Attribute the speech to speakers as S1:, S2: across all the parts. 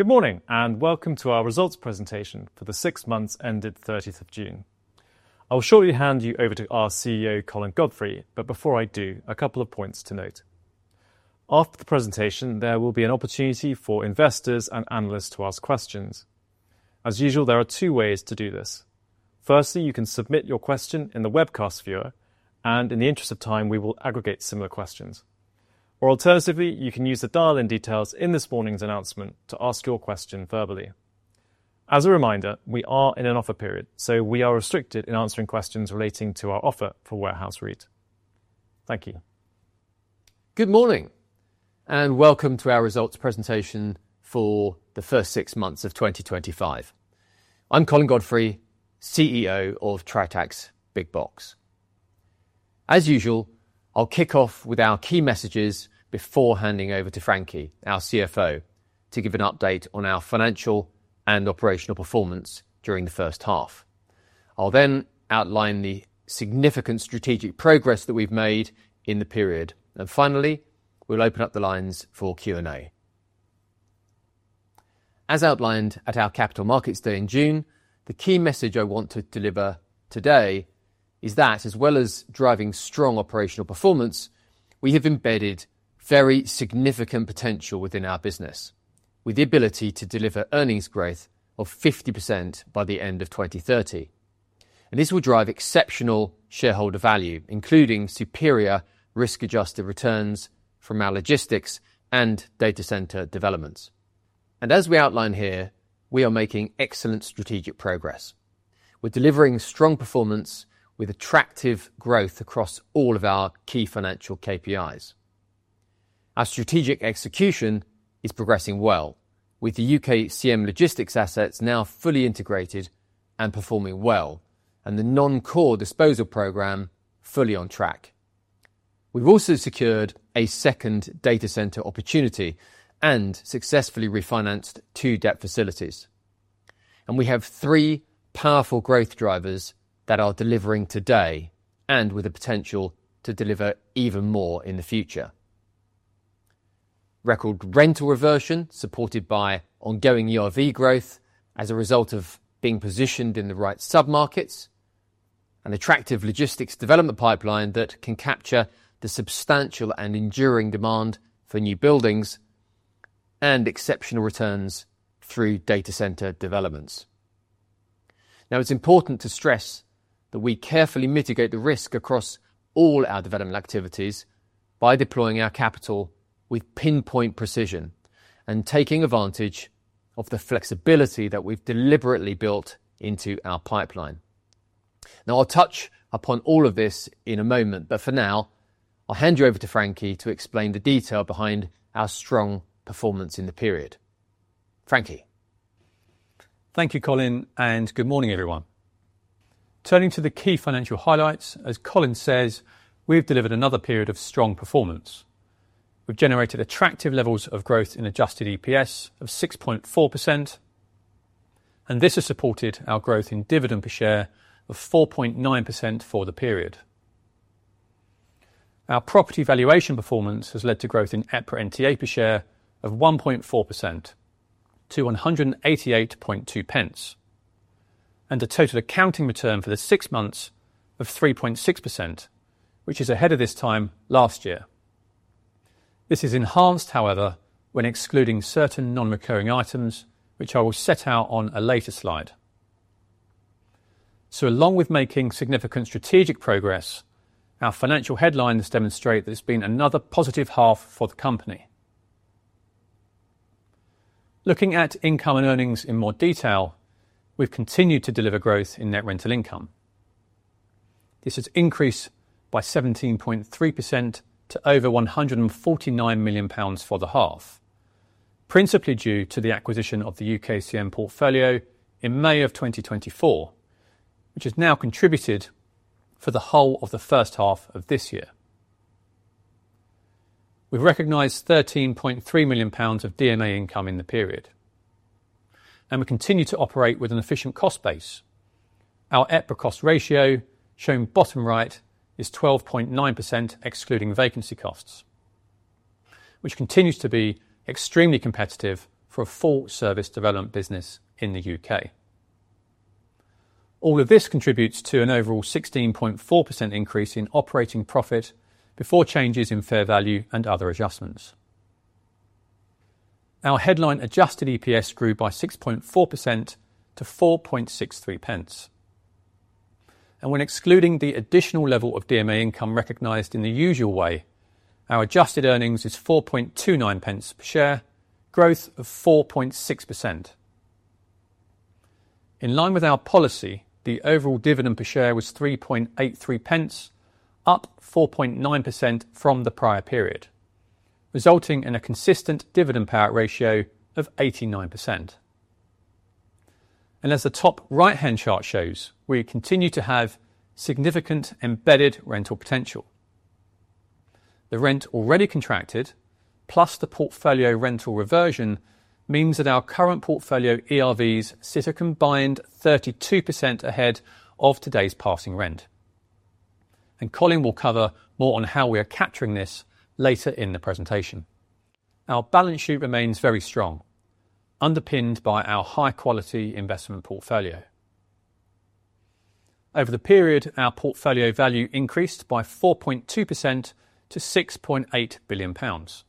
S1: Good morning and welcome to our results presentation for the six months ended 30th of June. I will shortly hand you over to our CEO, Colin Godfrey, but before I do, a couple of points to note. After the presentation, there will be an opportunity for investors and analysts to ask questions. As usual, there are two ways to do this. Firstly, you can submit your question in the webcast viewer, and in the interest of time, we will aggregate similar questions. Alternatively, you can use the dial-in details in this morning's announcement to ask your question verbally. As a reminder, we are in an offer period, so we are restricted in answering questions relating to our offer for Warehouse REIT. Thank you.
S2: Good morning and welcome to our results presentation for the first six months of 2025. I'm Colin Godfrey, CEO of Tritax Big Box. As usual, I'll kick off with our key messages before handing over to Frankie, our CFO, to give an update on our financial and operational performance during the first half. I'll then outline the significant strategic progress that we've made in the period, and finally, we'll open up the lines for Q&A. As outlined at our Capital Markets Day in June, the key message I want to deliver today is that, as well as driving strong operational performance, we have embedded very significant potential within our business, with the ability to deliver earnings growth of 50% by the end of 2030. This will drive exceptional shareholder value, including superior risk-adjusted returns from our logistics and data center developments. As we outline here, we are making excellent strategic progress. We're delivering strong performance with attractive growth across all of our key financial KPIs. Our strategic execution is progressing well, with the UKCM Logistics assets now fully integrated and performing well, and the non-core disposal program fully on track. We've also secured a second data center opportunity and successfully refinanced two debt facilities. We have three powerful growth drivers that are delivering today and with the potential to deliver even more in the future: record rental reversion supported by ongoing ERV growth as a result of being positioned in the right submarkets, an attractive logistics development pipeline that can capture the substantial and enduring demand for new buildings, and exceptional returns through data center developments. It's important to stress that we carefully mitigate the risk across all our development activities by deploying our capital with pinpoint precision and taking advantage of the flexibility that we've deliberately built into our pipeline. I'll touch upon all of this in a moment, but for now, I'll hand you over to Frankie to explain the detail behind our strong performance in the period. Frankie.
S3: Thank you, Colin, and good morning, everyone. Turning to the key financial highlights, as Colin says, we've delivered another period of strong performance. We've generated attractive levels of growth in adjusted EPS of 6.4%, and this has supported our growth in dividend per share of 4.9% for the period. Our property valuation performance has led to growth in EPRA NTA per share of 1.4% to 188.2 pence, and a total accounting return for the six months of 3.6%, which is ahead of this time last year. This is enhanced, however, when excluding certain non-recurring items, which I will set out on a later slide. Along with making significant strategic progress, our financial headlines demonstrate that it's been another positive half for the company. Looking at income and earnings in more detail, we've continued to deliver growth in net rental income. This has increased by 17.3% to over 149 million pounds for the half, principally due to the acquisition of the UKCM Logistics portfolio in May of 2024, which has now contributed for the whole of the first half of this year. We've recognized 13.3 million pounds of DMA income in the period, and we continue to operate with an efficient cost base. Our EPRA cost ratio, shown bottom right, is 12.9% excluding vacancy costs, which continues to be extremely competitive for a full-service development business in the U.K. All of this contributes to an overall 16.4% increase in operating profit before changes in fair value and other adjustments. Our headline adjusted EPS grew by 6.4% to 4.63 pence. When excluding the additional level of DMA income recognized in the usual way, our adjusted earnings is 4.29 pence per share, growth of 4.6%. In line with our policy, the overall dividend per share was 3.83 pence, up 4.9% from the prior period, resulting in a consistent dividend cover ratio of 89%. As the top right-hand chart shows, we continue to have significant embedded rental potential. The rent already contracted, plus the portfolio rental reversion, means that our current portfolio ERVs sit a combined 32% ahead of today's passing rent. Colin will cover more on how we are capturing this later in the presentation. Our balance sheet remains very strong, underpinned by our high-quality investment portfolio. Over the period, our portfolio value increased by 4.2% to 6.8 billion pounds.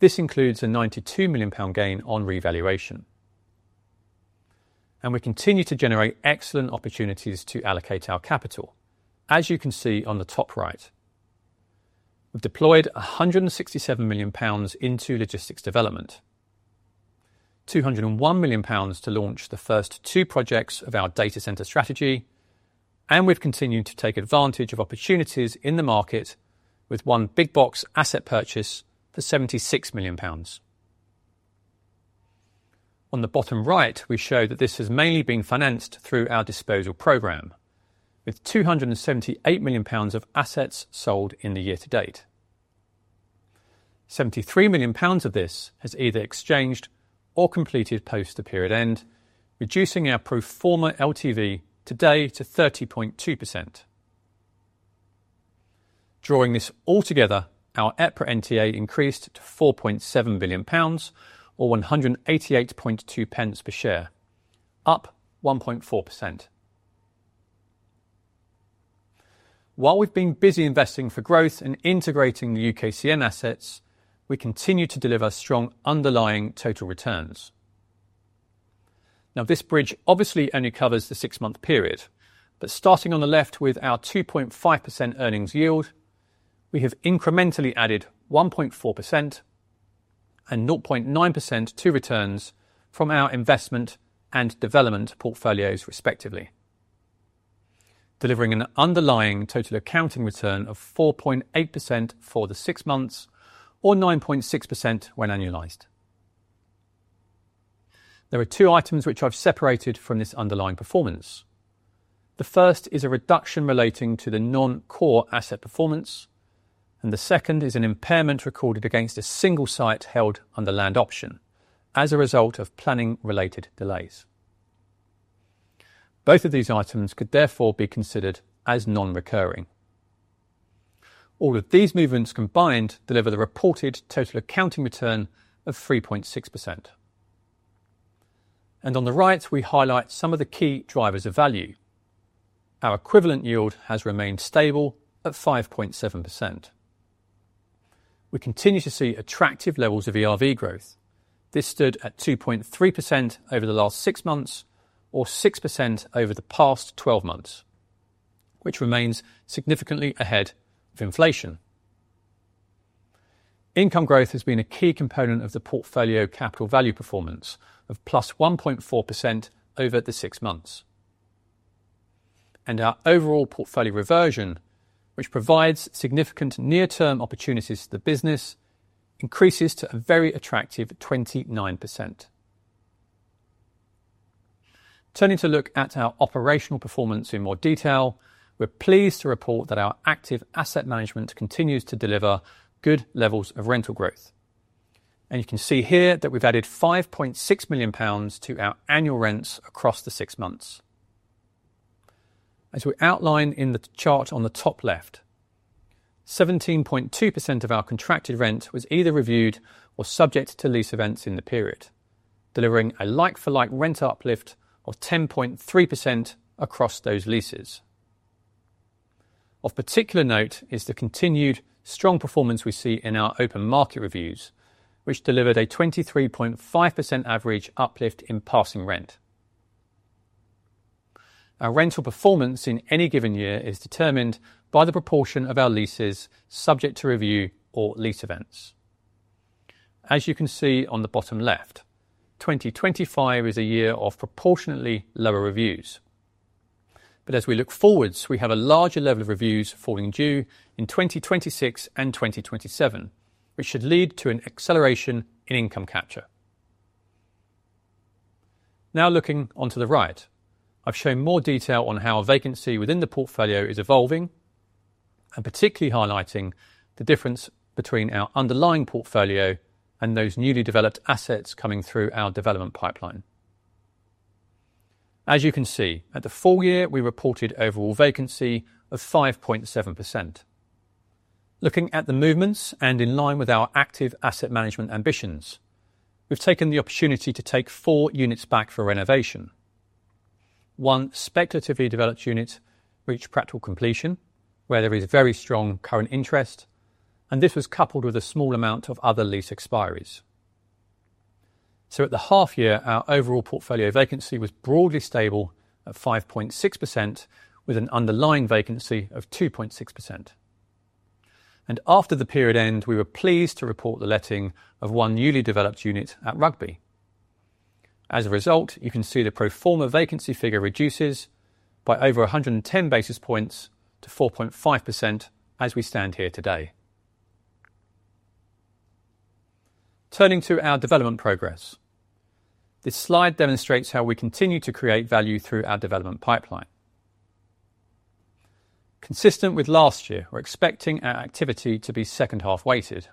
S3: This includes a 92 million pound gain on revaluation. We continue to generate excellent opportunities to allocate our capital, as you can see on the top right. We've deployed 167 million pounds into logistics development, 201 million pounds to launch the first two projects of our data center strategy, and we've continued to take advantage of opportunities in the market with one big box asset purchase for 76 million pounds. On the bottom right, we show that this has mainly been financed through our disposal program, with 278 million pounds of assets sold in the year to date. 73 million pounds of this has either exchanged or completed post the period end, reducing our pro forma LTV today to 30.2%. Drawing this all together, our EPRA NTA increased to 4.7 billion pounds, or 188.2 pence per share, up 1.4%. While we've been busy investing for growth and integrating the UKCM assets, we continue to deliver strong underlying total returns. This bridge obviously only covers the six-month period, but starting on the left with our 2.5% earnings yield, we have incrementally added 1.4% and 0.9% to returns from our investment and development portfolios, respectively, delivering an underlying total accounting return of 4.8% for the six months or 9.6% when annualized. There are two items which I've separated from this underlying performance. The first is a reduction relating to the non-core asset performance, and the second is an impairment recorded against a single site held under land option as a result of planning-related delays. Both of these items could therefore be considered as non-recurring. All of these movements combined deliver the reported total accounting return of 3.6%. On the right, we highlight some of the key drivers of value. Our equivalent yield has remained stable at 5.7%. We continue to see attractive levels of ERV growth. This stood at 2.3% over the last six months or 6% over the past 12 months, which remains significantly ahead of inflation. Income growth has been a key component of the portfolio capital value performance of +1.4% over the six months. Our overall portfolio reversion, which provides significant near-term opportunities to the business, increases to a very attractive 29%. Turning to look at our operational performance in more detail, we're pleased to report that our active asset management continues to deliver good levels of rental growth. You can see here that we've added 5.6 million pounds to our annual rents across the six months. As we outline in the chart on the top left, 17.2% of our contracted rent was either reviewed or subject to lease events in the period, delivering a like-for-like renter uplift of 10.3% across those leases. Of particular note is the continued strong performance we see in our open market reviews, which delivered a 23.5% average uplift in passing rent. Our rental performance in any given year is determined by the proportion of our leases subject to review or lease events. As you can see on the bottom left, 2025 is a year of proportionately lower reviews. As we look forwards, we have a larger level of reviews falling due in 2026 and 2027, which should lead to an acceleration in income capture. Now looking onto the right, I've shown more detail on how our vacancy within the portfolio is evolving and particularly highlighting the difference between our underlying portfolio and those newly developed assets coming through our development pipeline. As you can see, at the full year, we reported overall vacancy of 5.7%. Looking at the movements and in line with our active asset management ambitions, we've taken the opportunity to take four units back for renovation. One speculatively developed unit reached practical completion, where there is very strong current interest, and this was coupled with a small amount of other lease expires. At the half year, our overall portfolio vacancy was broadly stable at 5.6% with an underlying vacancy of 2.6%. After the period end, we were pleased to report the letting of one newly developed unit at Rugby. As a result, you can see the pro forma vacancy figure reduces by over 110 basis points to 4.5% as we stand here today. Turning to our development progress, this slide demonstrates how we continue to create value through our development pipeline. Consistent with last year, we're expecting our activity to be second half weighted.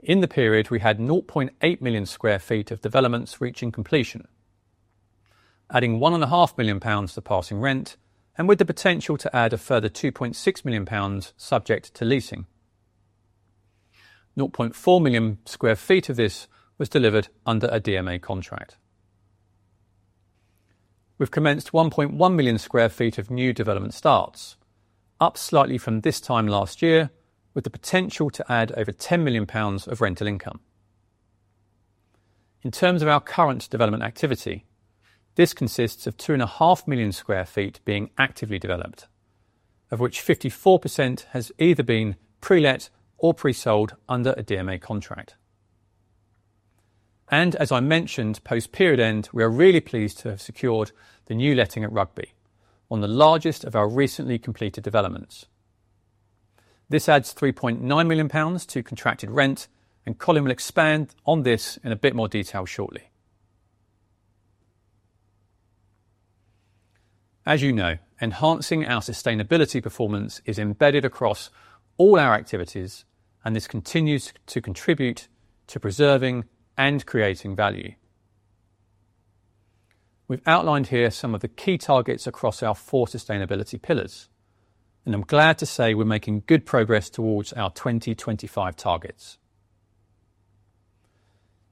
S3: In the period, we had 0.8 million sq ft of developments reaching completion, adding GBP 1.5 million to passing rent and with the potential to add a further 2.6 million pounds subject to leasing. 0.4 million sq ft of this was delivered under a DMA contract. We've commenced 1.1 million sq ft of new development starts, up slightly from this time last year, with the potential to add over 10 million pounds of rental income. In terms of our current development activity, this consists of 2.5 million sq ft being actively developed, of which 54% has either been pre-let or pre-sold under a DMA contract. As I mentioned, post-period end, we are really pleased to have secured the new letting at Rugby, one of the largest of our recently completed developments. This adds 3.9 million pounds to contracted rent, and Colin will expand on this in a bit more detail shortly. As you know, enhancing our sustainability performance is embedded across all our activities, and this continues to contribute to preserving and creating value. We've outlined here some of the key targets across our four sustainability pillars, and I'm glad to say we're making good progress towards our 2025 targets.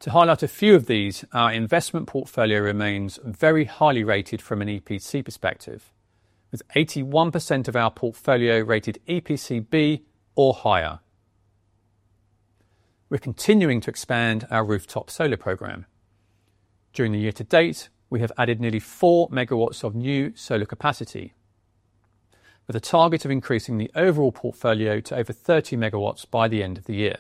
S3: To highlight a few of these, our investment portfolio remains very highly rated from an EPC perspective, with 81% of our portfolio rated EPC B or higher. We're continuing to expand our rooftop solar program. During the year to date, we have added nearly 4 MW of new solar capacity, with a target of increasing the overall portfolio to over 30 MW by the end of the year.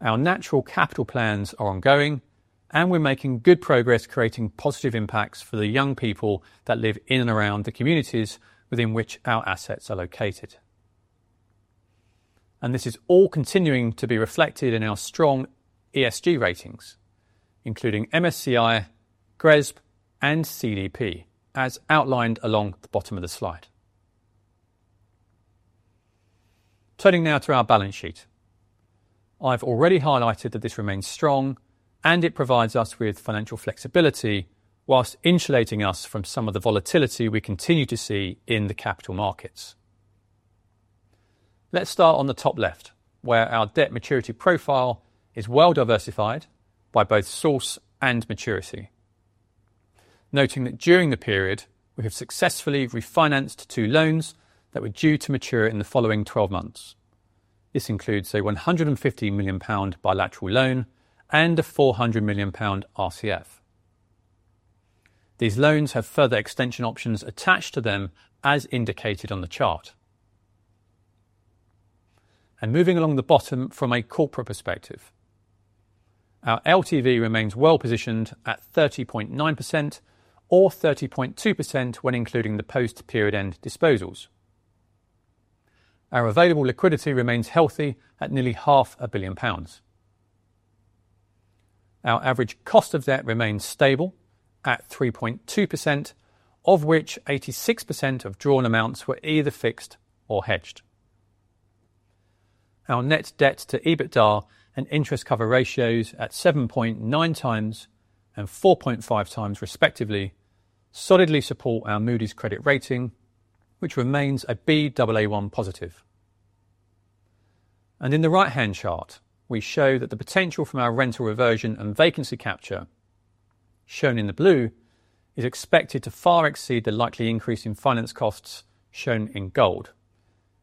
S3: Our natural capital plans are ongoing, and we're making good progress creating positive impacts for the young people that live in and around the communities within which our assets are located. This is all continuing to be reflected in our strong ESG ratings, including MSCI, GRESB, and CDP, as outlined along the bottom of the slide. Turning now to our balance sheet, I've already highlighted that this remains strong and it provides us with financial flexibility whilst insulating us from some of the volatility we continue to see in the capital markets. Let's start on the top left, where our debt maturity profile is well diversified by both source and maturity, noting that during the period, we have successfully refinanced two loans that were due to mature in the following 12 months. This includes a 115 million pound bilateral loan and a 400 million pound RCF. These loans have further extension options attached to them as indicated on the chart. Moving along the bottom from a corporate perspective, our LTV remains well positioned at 30.9% or 30.2% when including the post-period end disposals. Our available liquidity remains healthy at nearly half a billion pounds. Our average cost of debt remains stable at 3.2%, of which 86% of drawn amounts were either fixed or hedged. Our net debt to EBITDA and interest cover ratios at 7.9x and 4.5x, respectively, solidly support our Moody’s credit rating, which remains a Baa1 positive. In the right-hand chart, we show that the potential from our rental reversion and vacancy capture, shown in the blue, is expected to far exceed the likely increase in finance costs shown in gold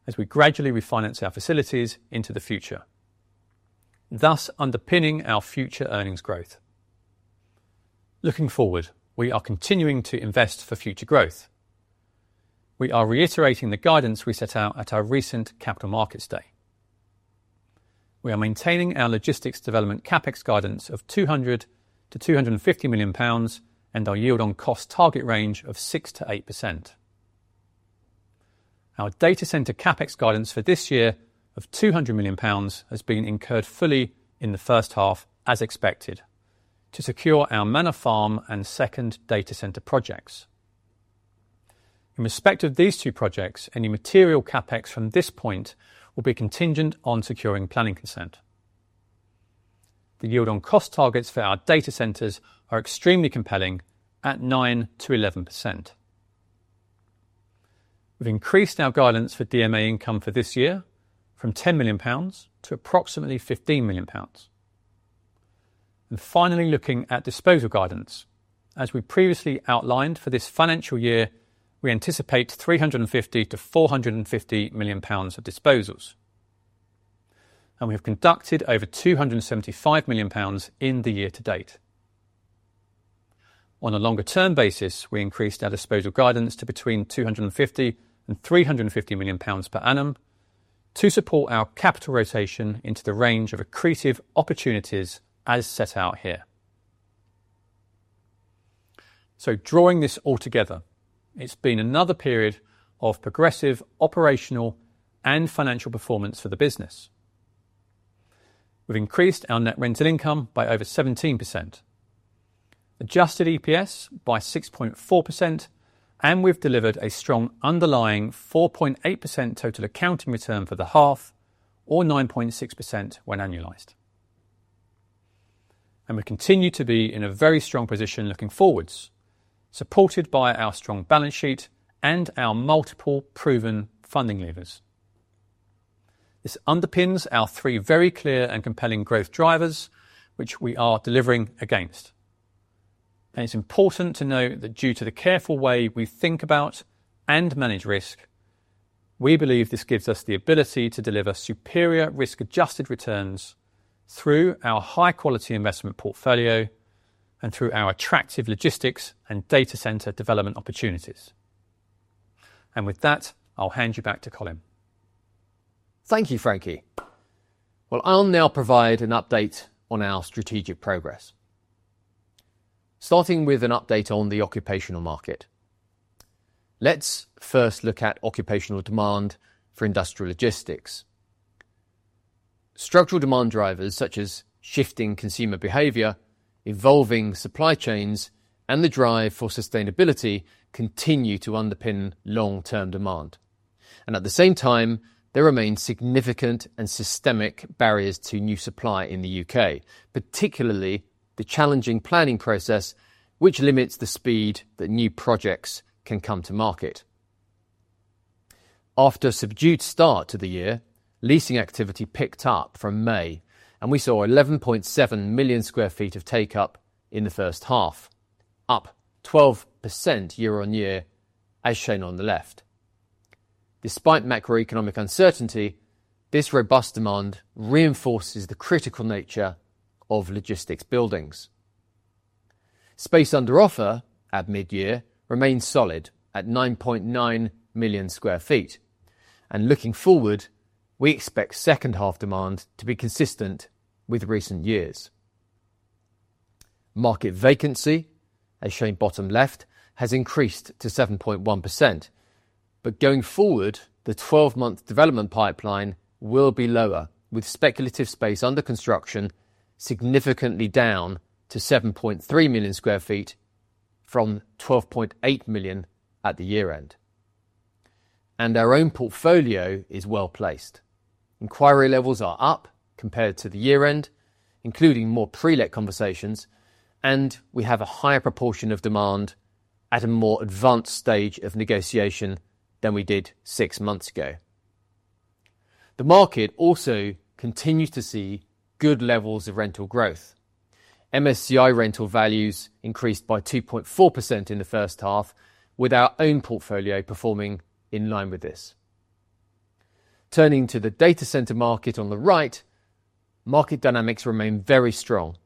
S3: as we gradually refinance our facilities into the future, thus underpinning our future earnings growth. Looking forward, we are continuing to invest for future growth. We are reiterating the guidance we set out at our recent Capital Markets Day. We are maintaining our logistics development CapEx guidance of 200 million-250 million pounds and our yield on cost target range of 6%-8%. Our data center CapEx guidance for this year of 200 million pounds has been incurred fully in the first half, as expected, to secure our Manor Farm and second data center projects. In respect of these two projects, any material CapEx from this point will be contingent on securing planning consent. The yield on cost targets for our data centers are extremely compelling at 9%-11%. We've increased our guidance for DMA income for this year from 10 million pounds to approximately 15 million pounds. Finally, looking at disposal guidance, as we previously outlined for this financial year, we anticipate 350 million-450 million pounds of disposals. We have conducted over 275 million pounds in the year to date. On a longer-term basis, we increased our disposal guidance to between 250 million and 350 million pounds per annum to support our capital rotation into the range of accretive opportunities as set out here. Drawing this all together, it's been another period of progressive operational and financial performance for the business. We've increased our net rental income by over 17%, adjusted EPS by 6.4%, and we've delivered a strong underlying 4.8% total accounting return for the half or 9.6% when annualized. We continue to be in a very strong position looking forwards, supported by our strong balance sheet and our multiple proven funding levers. This underpins our three very clear and compelling growth drivers, which we are delivering against. It's important to note that due to the careful way we think about and manage risk, we believe this gives us the ability to deliver superior risk-adjusted returns through our high-quality investment portfolio and through our attractive logistics and data center development opportunities. With that, I'll hand you back to Colin.
S2: Thank you, Frankie. I will now provide an update on our strategic progress. Starting with an update on the occupational market, let's first look at occupational demand for industrial logistics. Structural demand drivers such as shifting consumer behavior, evolving supply chains, and the drive for sustainability continue to underpin long-term demand. At the same time, there remain significant and systemic barriers to new supply in the U.K., particularly the challenging planning process, which limits the speed that new projects can come to market. After a subdued start to the year, leasing activity picked up from May, and we saw 11.7 million sq ft of take-up in the first half, up 12% year on year, as shown on the left. Despite macroeconomic uncertainty, this robust demand reinforces the critical nature of logistics buildings. Space under offer at mid-year remains solid at 9.9 million sq ft, and looking forward, we expect second half demand to be consistent with recent years. Market vacancy, as shown bottom left, has increased to 7.1%. Going forward, the 12-month development pipeline will be lower, with speculative space under construction significantly down to 7.3 million sq ft from 12.8 million at the year end. Our own portfolio is well placed. Inquiry levels are up compared to the year end, including more pre-let conversations, and we have a higher proportion of demand at a more advanced stage of negotiation than we did six months ago. The market also continues to see good levels of rental growth. MSCI rental values increased by 2.4% in the first half, with our own portfolio performing in line with this. Turning to the data center market on the right, market dynamics remain very strong,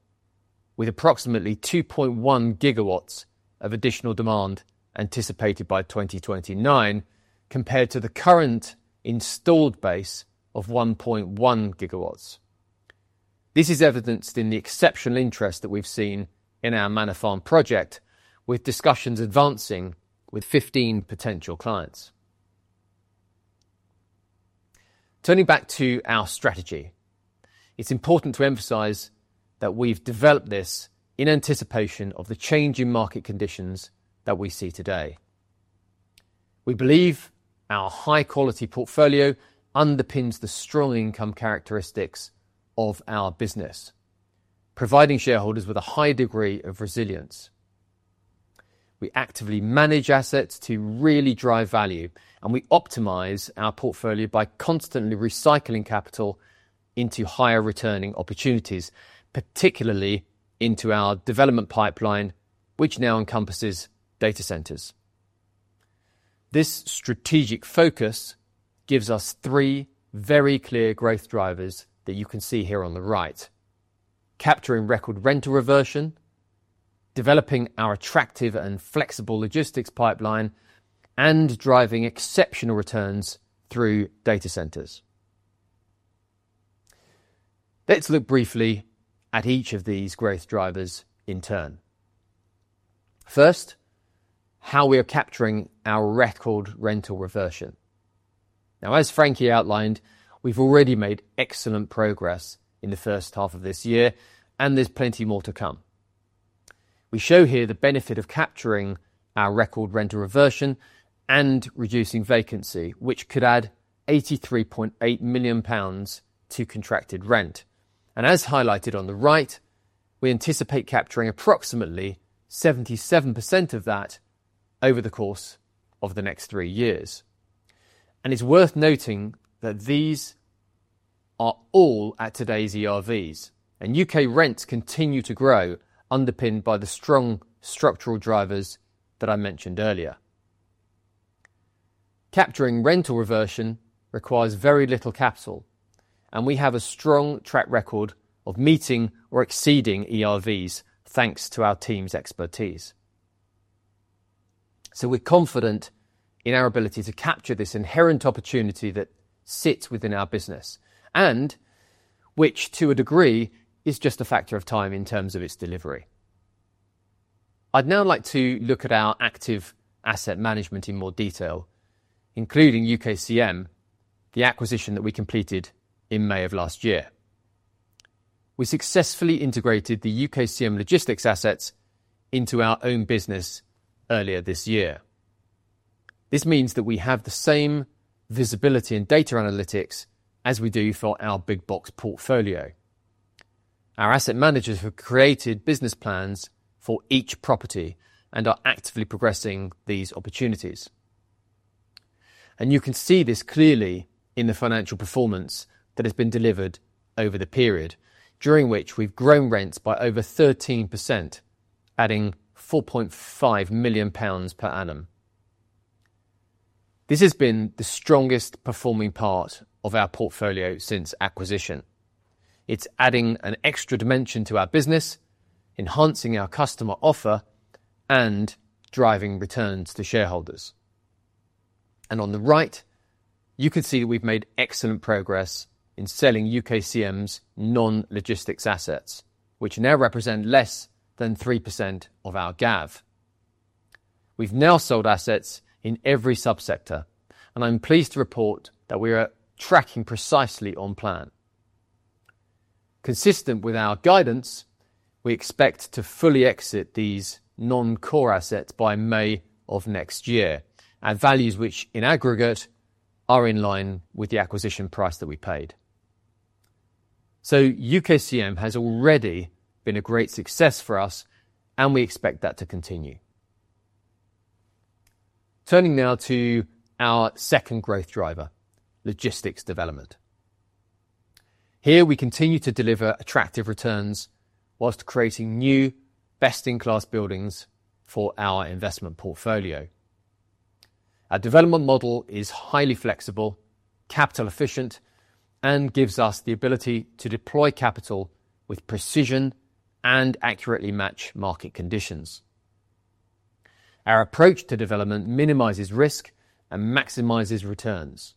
S2: with approximately 2.1 GW of additional demand anticipated by 2029 compared to the current installed base of 1.1 GW. This is evidenced in the exceptional interest that we've seen in our Manor Farm project, with discussions advancing with 15 potential clients. Turning back to our strategy, it's important to emphasize that we've developed this in anticipation of the change in market conditions that we see today. We believe our high-quality portfolio underpins the strong income characteristics of our business, providing shareholders with a high degree of resilience. We actively manage assets to really drive value, and we optimize our portfolio by constantly recycling capital into higher returning opportunities, particularly into our development pipeline, which now encompasses data centers. This strategic focus gives us three very clear growth drivers that you can see here on the right: capturing record rental reversion, developing our attractive and flexible logistics pipeline, and driving exceptional returns through data centers. Let's look briefly at each of these growth drivers in turn. First, how we are capturing our record rental reversion. Now, as Frankie outlined, we've already made excellent progress in the first half of this year, and there's plenty more to come. We show here the benefit of capturing our record rental reversion and reducing vacancy, which could add 83.8 million pounds to contracted rent. As highlighted on the right, we anticipate capturing approximately 77% of that over the course of the next three years. It's worth noting that these are all at today's ERVs, and U.K. rents continue to grow, underpinned by the strong structural drivers that I mentioned earlier. Capturing rental reversion requires very little capital, and we have a strong track record of meeting or exceeding ERVs thanks to our team's expertise. We're confident in our ability to capture this inherent opportunity that sits within our business, and which, to a degree, is just a factor of time in terms of its delivery. I'd now like to look at our active asset management in more detail, including UKCM, the acquisition that we completed in May of last year. We successfully integrated the UKCM Logistics assets into our own business earlier this year. This means that we have the same visibility and data analytics as we do for our big box portfolio. Our asset managers have created business plans for each property and are actively progressing these opportunities. You can see this clearly in the financial performance that has been delivered over the period, during which we've grown rents by over 13%, adding GBP 4.5 million per annum. This has been the strongest performing part of our portfolio since acquisition. It's adding an extra dimension to our business, enhancing our customer offer, and driving returns to shareholders. On the right, you can see that we've made excellent progress in selling UKCM's non-logistics assets, which now represent less than 3% of our GAAV. We've now sold assets in every subsector, and I'm pleased to report that we are tracking precisely on plan. Consistent with our guidance, we expect to fully exit these non-core assets by May of next year at values which, in aggregate, are in line with the acquisition price that we paid. UKCM has already been a great success for us, and we expect that to continue. Turning now to our second growth driver, logistics development. Here, we continue to deliver attractive returns whilst creating new, best-in-class buildings for our investment portfolio. Our development model is highly flexible, capital-efficient, and gives us the ability to deploy capital with precision and accurately match market conditions. Our approach to development minimizes risk and maximizes returns,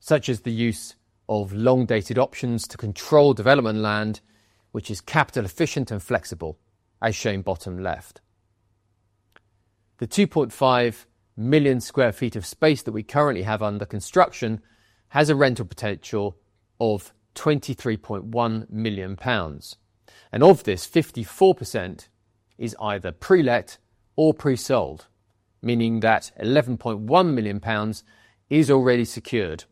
S2: such as the use of long-dated options to control development land, which is capital-efficient and flexible, as shown bottom left. The 2.5 million sq ft of space that we currently have under construction has a rental potential of 23.1 million pounds, and of this, 54% is either pre-let or pre-sold, meaning that 11.1 million pounds is already secured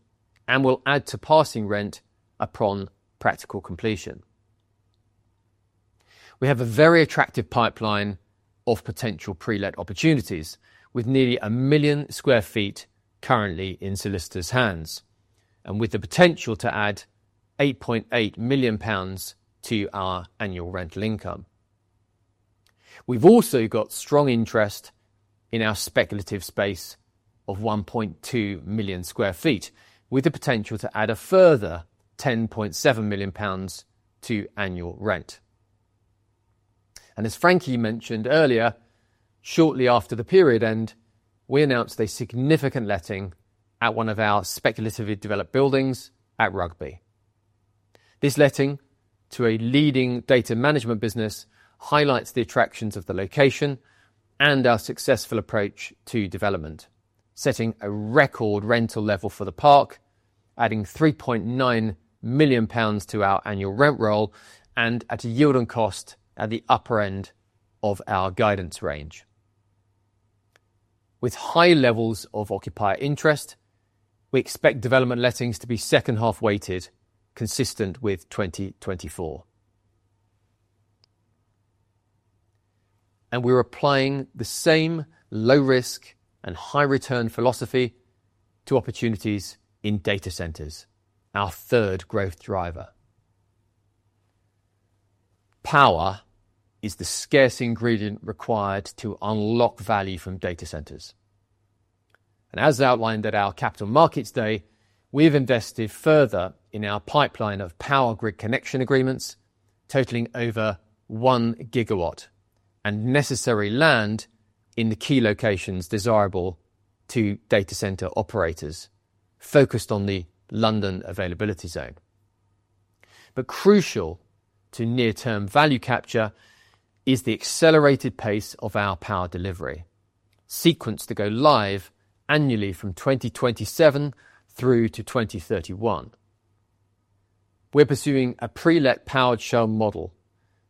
S2: and will add to passing rent upon practical completion. We have a very attractive pipeline of potential pre-let opportunities, with nearly 1 million sq ft currently in solicitors' hands, and with the potential to add 8.8 million pounds to our annual rental income. We've also got strong interest in our speculative space of 1.2 million sq ft, with the potential to add a further 10.7 million pounds to annual rent. As Frankie mentioned earlier, shortly after the period end, we announced a significant letting at one of our speculatively developed buildings at Rugby. This letting to a leading data management business highlights the attractions of the location and our successful approach to development, setting a record rental level for the park, adding 3.9 million pounds to our annual rent roll and at a yield on cost at the upper end of our guidance range. With high levels of occupier interest, we expect development lettings to be second half weighted, consistent with 2024. We're applying the same low-risk and high-return philosophy to opportunities in data centers, our third growth driver. Power is the scarce ingredient required to unlock value from data centers. As outlined at our Capital Markets Day, we've invested further in our pipeline of power grid connection agreements, totaling over 1 GW and necessary land in the key locations desirable to data center operators, focused on the London availability zone. Crucial to near-term value capture is the accelerated pace of our power delivery, sequenced to go live annually from 2027 through to 2031. We're pursuing a pre-let powered shell model,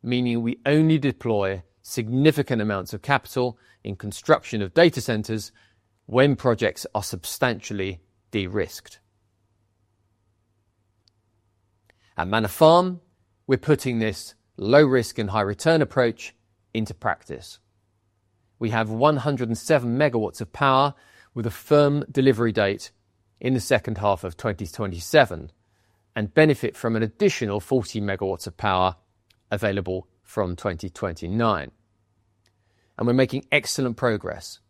S2: meaning we only deploy significant amounts of capital in construction of data centers when projects are substantially de-risked. At Manor Farm, we're putting this low-risk and high-return approach into practice. We have 107 MW of power with a firm delivery date in the second half of 2027 and benefit from an additional 40 MW of power available from 2029. We're making excellent progress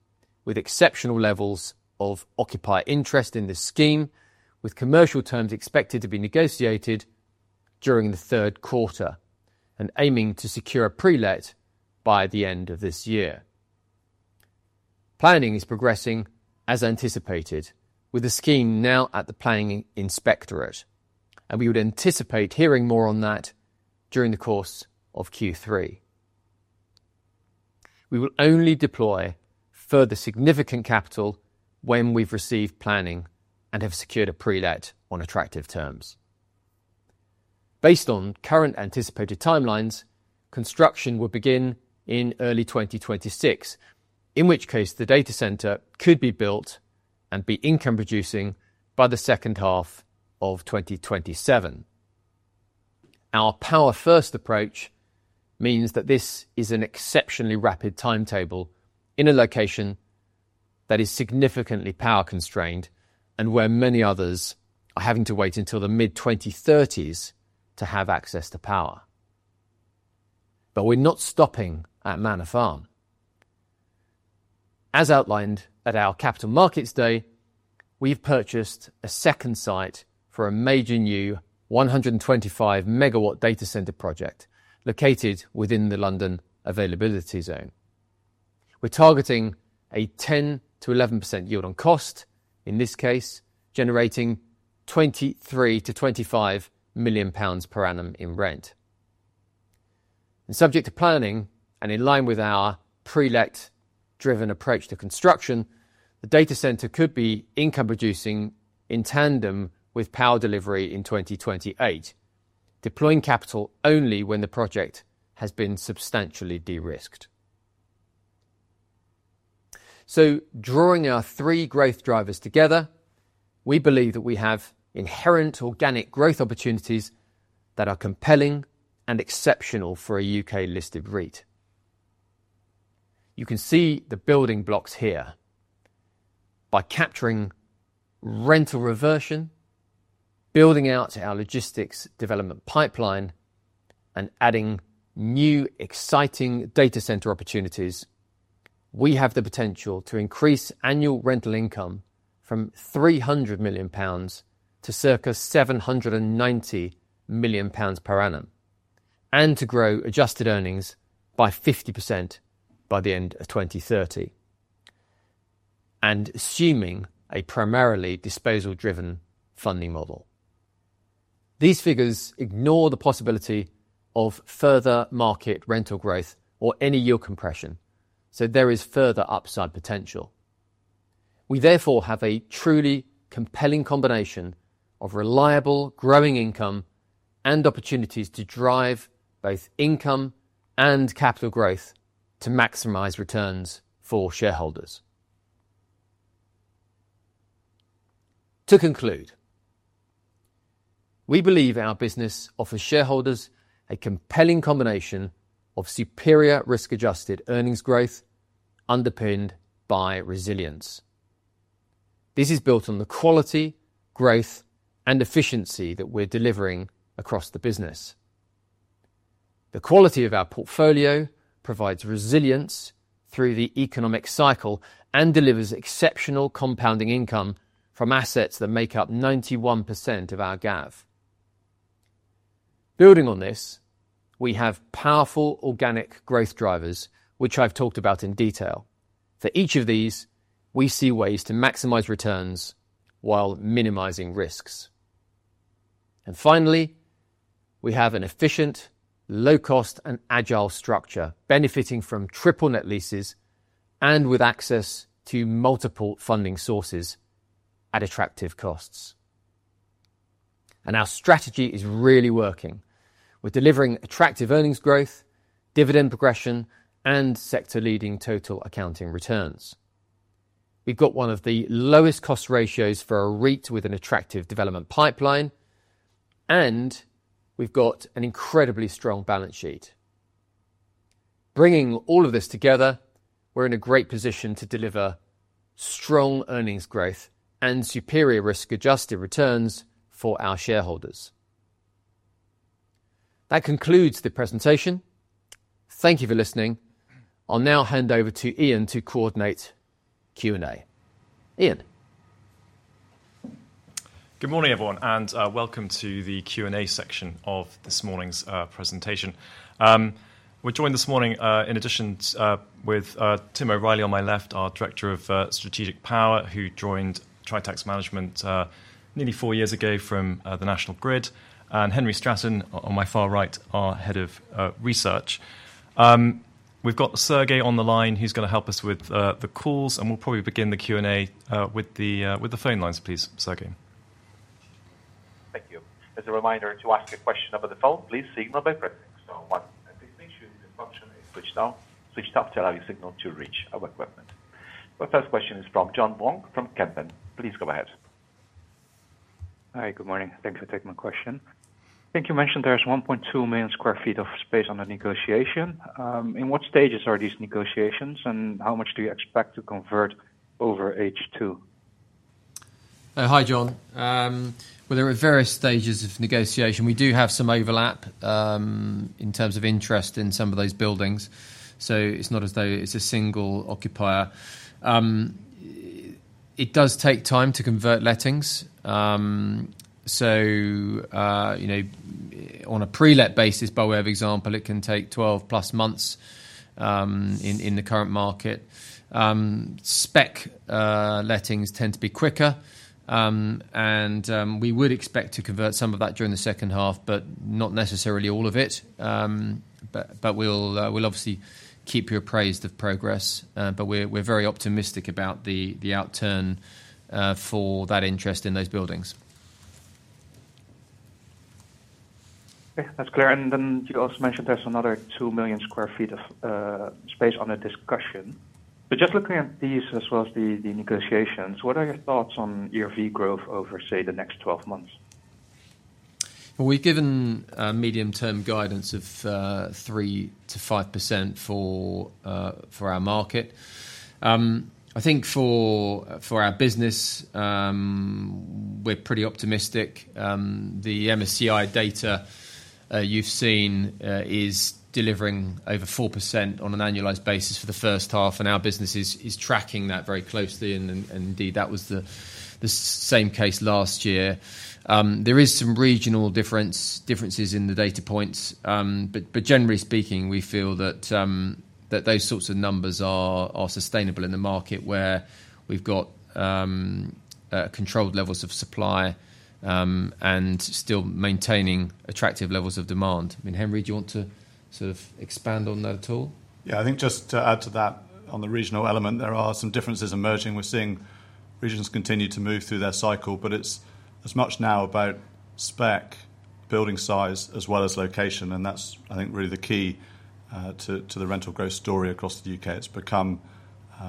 S2: with exceptional levels of occupier interest in this scheme, with commercial terms expected to be negotiated during the third quarter and aiming to secure a pre-let by the end of this year. Planning is progressing as anticipated, with the scheme now at the Planning Inspectorate, and we would anticipate hearing more on that during the course of Q3. We will only deploy further significant capital when we've received planning and have secured a pre-let on attractive terms. Based on current anticipated timelines, construction will begin in early 2026, in which case the data center could be built and be income-producing by the second half of 2027. Our power-first approach means that this is an exceptionally rapid timetable in a location that is significantly power-constrained and where many others are having to wait until the mid-2030s to have access to power. We're not stopping at Manor Farm. As outlined at our Capital Markets Day, we've purchased a second site for a major new 125-megawatt data center project located within the London availability zone. We're targeting a 10%-11% yield on cost, in this case generating 23 million-25 million pounds per annum in rent. Subject to planning and in line with our pre-let-driven approach to construction, the data center could be income-producing in tandem with power delivery in 2028, deploying capital only when the project has been substantially de-risked. Drawing our three growth drivers together, we believe that we have inherent organic growth opportunities that are compelling and exceptional for a U.K.-listed REIT. You can see the building blocks here. By capturing rental reversion, building out our logistics development pipeline, and adding new exciting data center opportunities, we have the potential to increase annual rental income from 300 million pounds to circa 790 million pounds per annum and to grow adjusted earnings by 50% by the end of 2030, assuming a primarily disposal-driven funding model. These figures ignore the possibility of further market rental growth or any yield compression, so there is further upside potential. We therefore have a truly compelling combination of reliable growing income and opportunities to drive both income and capital growth to maximize returns for shareholders. To conclude, we believe our business offers shareholders a compelling combination of superior risk-adjusted earnings growth underpinned by resilience. This is built on the quality, growth, and efficiency that we're delivering across the business. The quality of our portfolio provides resilience through the economic cycle and delivers exceptional compounding income from assets that make up 91% of our GAAV. Building on this, we have powerful organic growth drivers, which I've talked about in detail. For each of these, we see ways to maximize returns while minimizing risks. Finally, we have an efficient, low-cost, and agile structure benefiting from triple net leases and with access to multiple funding sources at attractive costs. Our strategy is really working. We're delivering attractive earnings growth, dividend progression, and sector-leading total accounting returns. We've got one of the lowest cost ratios for a REIT with an attractive development pipeline, and we've got an incredibly strong balance sheet. Bringing all of this together, we're in a great position to deliver strong earnings growth and superior risk-adjusted returns for our shareholders. That concludes the presentation. Thank you for listening. I'll now hand over to Ian to coordinate Q&A. Ian.
S1: Good morning, everyone, and welcome to the Q&A section of this morning's presentation. We're joined this morning, in addition to with Tim O'Reilly on my left, our Director of Strategic Power, who joined Tritax Management nearly four years ago from the National Grid, and Henry Stratton on my far right, our Head of Research. We've got Sergey on the line, who's going to help us with the calls, and we'll probably begin the Q&A with the phone lines, please, Sergey.
S4: Thank you. As a reminder to ask a question over the phone, please signal by pressing star one. Please make sure that the function is switched off to allow your signal to reach our equipment. Our first question is from John Vuong from Kempen. Please go ahead.
S5: Hi, good morning. Thank you for taking my question. I think you mentioned there's 1.2 million sq ft of space under negotiation. In what stages are these negotiations, and how much do you expect to convert over H2?
S2: Hi John. There are various stages of negotiation. We do have some overlap in terms of interest in some of those buildings, so it's not as though it's a single occupier. It does take time to convert lettings. On a pre-let basis, by way of example, it can take 12+ months in the current market. Spec lettings tend to be quicker, and we would expect to convert some of that during the second half, not necessarily all of it. We'll obviously keep you appraised of progress. We're very optimistic about the outturn for that interest in those buildings.
S5: Okay, that's clear. You also mentioned there's another 2 million sq ft of space under discussion. Just looking at these as well as the negotiations, what are your thoughts on ERV growth over, say, the next 12 months?
S2: We've given medium-term guidance of 3%-5% for our market. I think for our business, we're pretty optimistic. The MSCI data you've seen is delivering over 4% on an annualized basis for the first half, and our business is tracking that very closely, and indeed that was the same case last year. There are some regional differences in the data points, but generally speaking, we feel that those sorts of numbers are sustainable in the market where we've got controlled levels of supply and still maintaining attractive levels of demand. I mean, Henry, do you want to sort of expand on that at all?
S6: I think just to add to that on the regional element, there are some differences emerging. We're seeing regions continue to move through their cycle, but it's as much now about spec, building size, as well as location, and that's, I think, really the key to the rental growth story across the U.K. It's become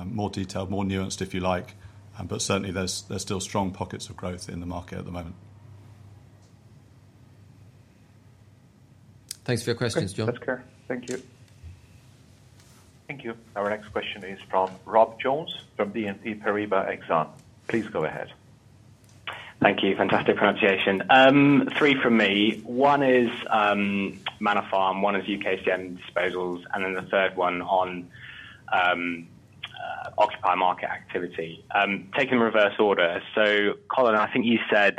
S6: more detailed, more nuanced, if you like, but certainly there's still strong pockets of growth in the market at the moment.
S2: Thanks for your questions, John.
S5: That's clear. Thank you.
S4: Thank you. Our next question is from Rob Jones from BNP Paribas Exane. Please go ahead.
S7: Thank you. Fantastic pronunciation. Three from me. One is Manor Farm, one is UKCM disposals, and then the third one on occupier market activity. Taking the reverse order, Colin, I think you said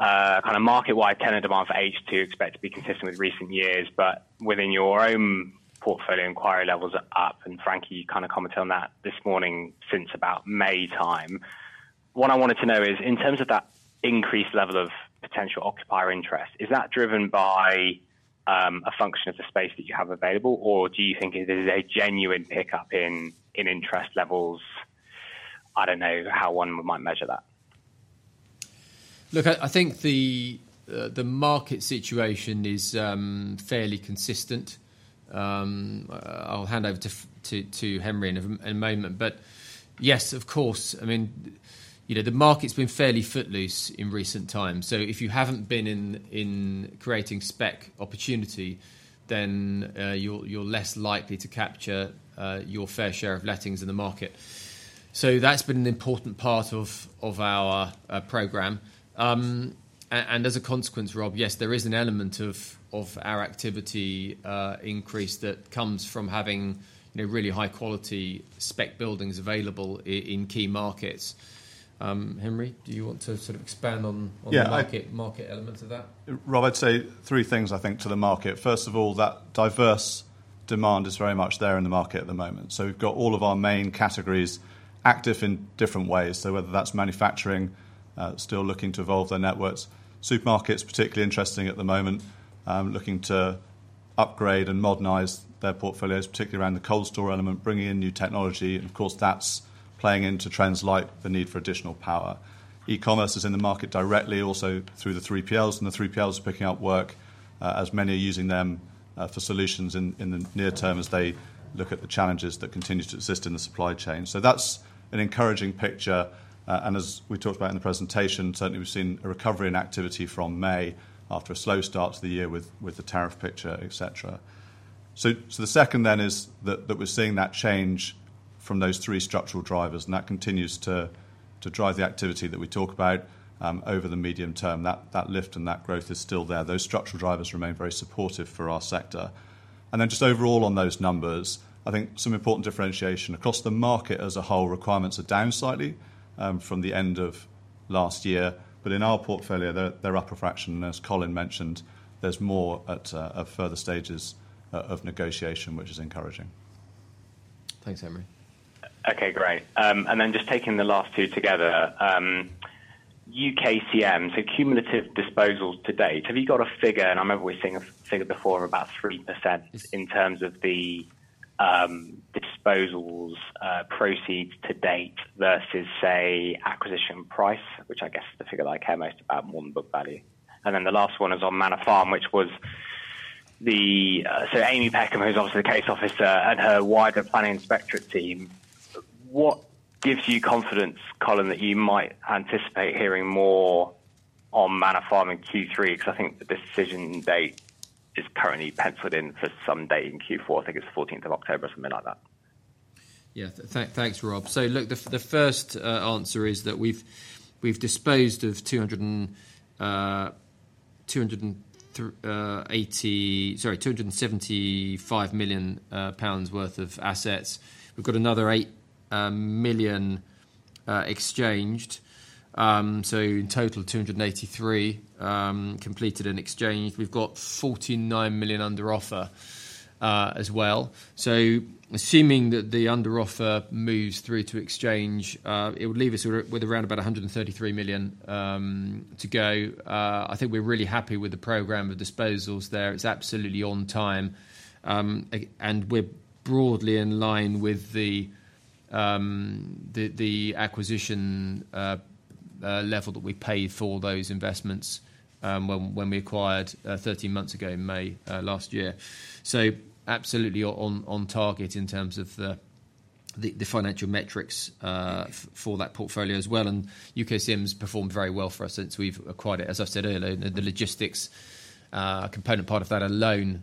S7: kind of market-wide tenant demand for H2 expect to be consistent with recent years, but within your own portfolio, inquiry levels are up, and Frankie, you kind of commented on that this morning since about May time. What I wanted to know is in terms of that increased level of potential occupier interest, is that driven by a function of the space that you have available, or do you think there's a genuine pickup in interest levels? I don't know how one might measure that.
S2: I think the market situation is fairly consistent. I'll hand over to Henry in a moment, but yes, of course. The market's been fairly footloose in recentx, so if you haven't been in creating spec opportunity, then you're less likely to capture your fair share of lettings in the market. That's been an important part of our program. As a consequence, Rob, yes, there is an element of our activity increase that comes from having really high-quality spec buildings available in key markets. Henry, do you want to sort of expand on the market elements of that?
S6: Rob, I'd say three things, I think, to the market. First of all, that diverse demand is very much there in the market at the moment. We've got all of our main categories active in different ways. Whether that's manufacturing, still looking to evolve their networks, supermarkets are particularly interesting at the moment, looking to upgrade and modernize their portfolios, particularly around the cold store element, bringing in new technology, and of course, that's playing into trends like the need for additional power. E-commerce is in the market directly, also through the 3PLs, and the 3PLs are picking up work as many are using them for solutions in the near term as they look at the challenges that continue to exist in the supply chain. That's an encouraging picture. As we talked about in the presentation, certainly we've seen a recovery in activity from May after a slow start to the year with the tariff picture, etc. The second then is that we're seeing that change from those three structural drivers, and that continues to drive the activity that we talk about over the medium term. That lift and that growth is still there. Those structural drivers remain very supportive for our sector. Just overall on those numbers, I think some important differentiation across the market as a whole. Requirements are down slightly from the end of last year, but in our portfolio, they're up a fraction. As Colin mentioned, there's more at further stages of negotiation, which is encouraging.
S2: Thanks, Henry.
S7: Okay, great. Just taking the last two together, UKCM, so cumulative disposals to date, have you got a figure? I remember we're seeing a figure before of about 3% in terms of the disposals proceeds to date versus, say, acquisition price, which I guess is the figure that I care most about, more than book value. The last one is on Manor Farm, which was the, so Amy Peckham, who's obviously the case officer and her wider planning inspectorate team. What gives you confidence, Colin, that you might anticipate hearing more on Manor Farm in Q3? I think the decision date is currently penciled in for some date in Q4. I think it's the 14th of October, something like that.
S2: Yeah, thanks, Rob. The first answer is that we've disposed of 275 million pounds worth of assets. We've got another 8 million exchanged. In total, 283 million completed in exchange. We've got 49 million under offer as well. Assuming that the under offer moves through to exchange, it would leave us with around 133 million to go. I think we're really happy with the program of disposals there. It's absolutely on time. We're broadly in line with the acquisition level that we paid for those investments when we acquired 13 months ago in May last year. Absolutely on target in terms of the financial metrics for that portfolio as well. UKCM's performed very well for us since we've acquired it. As I've said earlier, the logistics component part of that alone,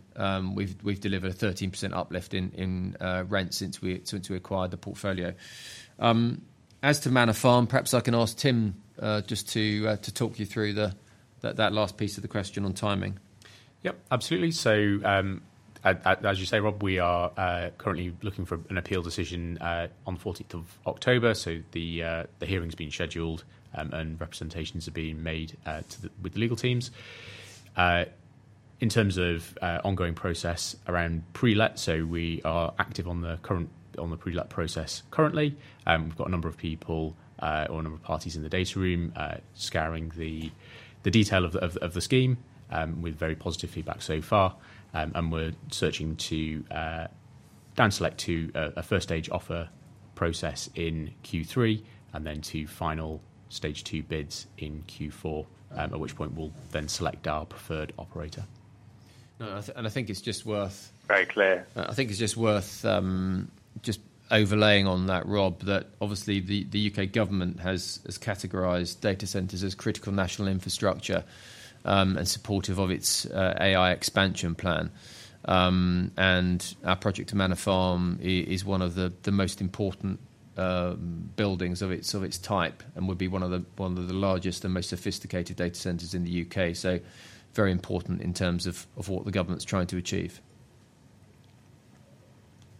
S2: we've delivered a 13% uplift in rent since we acquired the portfolio. As to Manor Farm, perhaps I can ask Tim just to talk you through that last piece of the question on timing.
S8: Absolutely. As you say, Rob, we are currently looking for an appeal decision on October 14. The hearing's been scheduled and representations are being made with the legal teams. In terms of ongoing process around pre-let, we are active on the pre-let process currently. We've got a number of people or a number of parties in the data room scouring the detail of the scheme with very positive feedback so far. We're searching to down select to a first-stage offer process in Q3 and then to final stage two bids in Q4, at which point we'll then select our preferred operator.
S2: I think it's just worth.
S7: Very clear.
S2: I think it's just worth overlaying on that, Rob, that obviously the U.K. government has categorized data centers as critical national infrastructure and supportive of its AI expansion plan. Our project at Manor Farm is one of the most important buildings of its type and would be one of the largest and most sophisticated data centers in the U.K. Very important in terms of what the government's trying to achieve.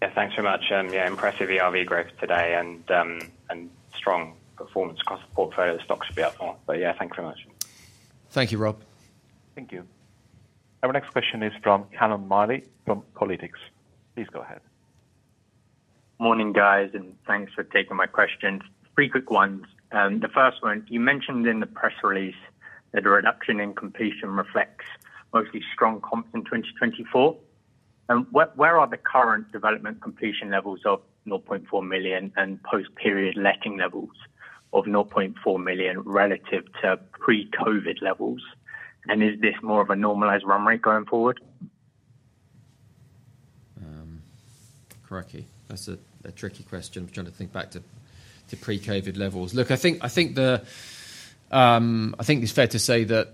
S7: Yeah, thanks very much. Impressive ERV growth today and strong performance across the portfolio. The stock should be up more. Yeah, thanks very much.
S2: Thank you, Rob.
S3: Thank you.
S4: Our next question is from Callum Marley from Kolytics. Please go ahead.
S9: Morning, guys, and thanks for taking my questions. Three quick ones. The first one, you mentioned in the press release that the reduction in completion reflects mostly strong comps in 2024. Where are the current development completion levels of 0.4 million and post-period letting levels of 0.4 million relative to pre-COVID levels? Is this more of a normalised run rate going forward?
S2: Frankie, that's a tricky question. I'm trying to think back to pre-COVID levels. Look, I think it's fair to say that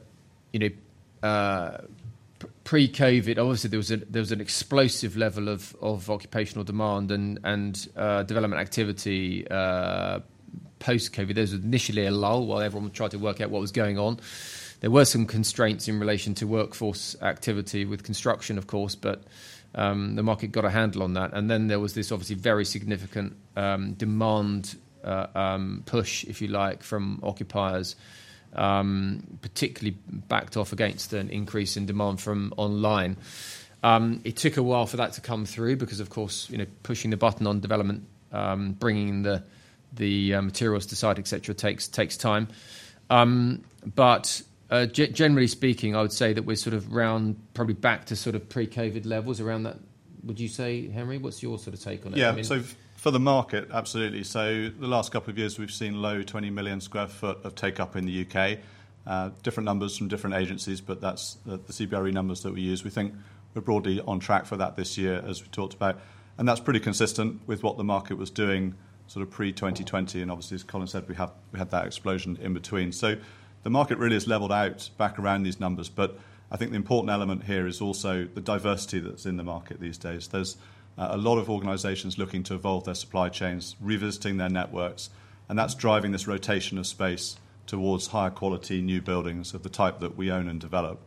S2: pre-COVID, obviously, there was an explosive level of occupational demand and development activity post-COVID. There was initially a lull while everyone tried to work out what was going on. There were some constraints in relation to workforce activity with construction, of course, but the market got a handle on that. There was this obviously very significant demand push, if you like, from occupiers, particularly backed off against an increase in demand from online. It took a while for that to come through because, of course, you know, pushing a button on development, bringing the materials to site, etc., takes time. Generally speaking, I would say that we're sort of round probably back to sort of pre-COVID levels around that. Would you say, Henry, what's your sort of take on it?
S6: Yeah, for the market, absolutely. The last couple of years, we've seen low 20 million sq ft of take-up in the U.K. Different numbers from different agencies, but that's the CBRE numbers that we use. We think we're broadly on track for that this year, as we talked about. That's pretty consistent with what the market was doing pre-2020. Obviously, as Colin said, we had that explosion in between. The market really has leveled out back around these numbers. I think the important element here is also the diversity that's in the market these days. There's a lot of organizations looking to evolve their supply chains, revisiting their networks, and that's driving this rotation of space towards higher quality new buildings of the type that we own and develop.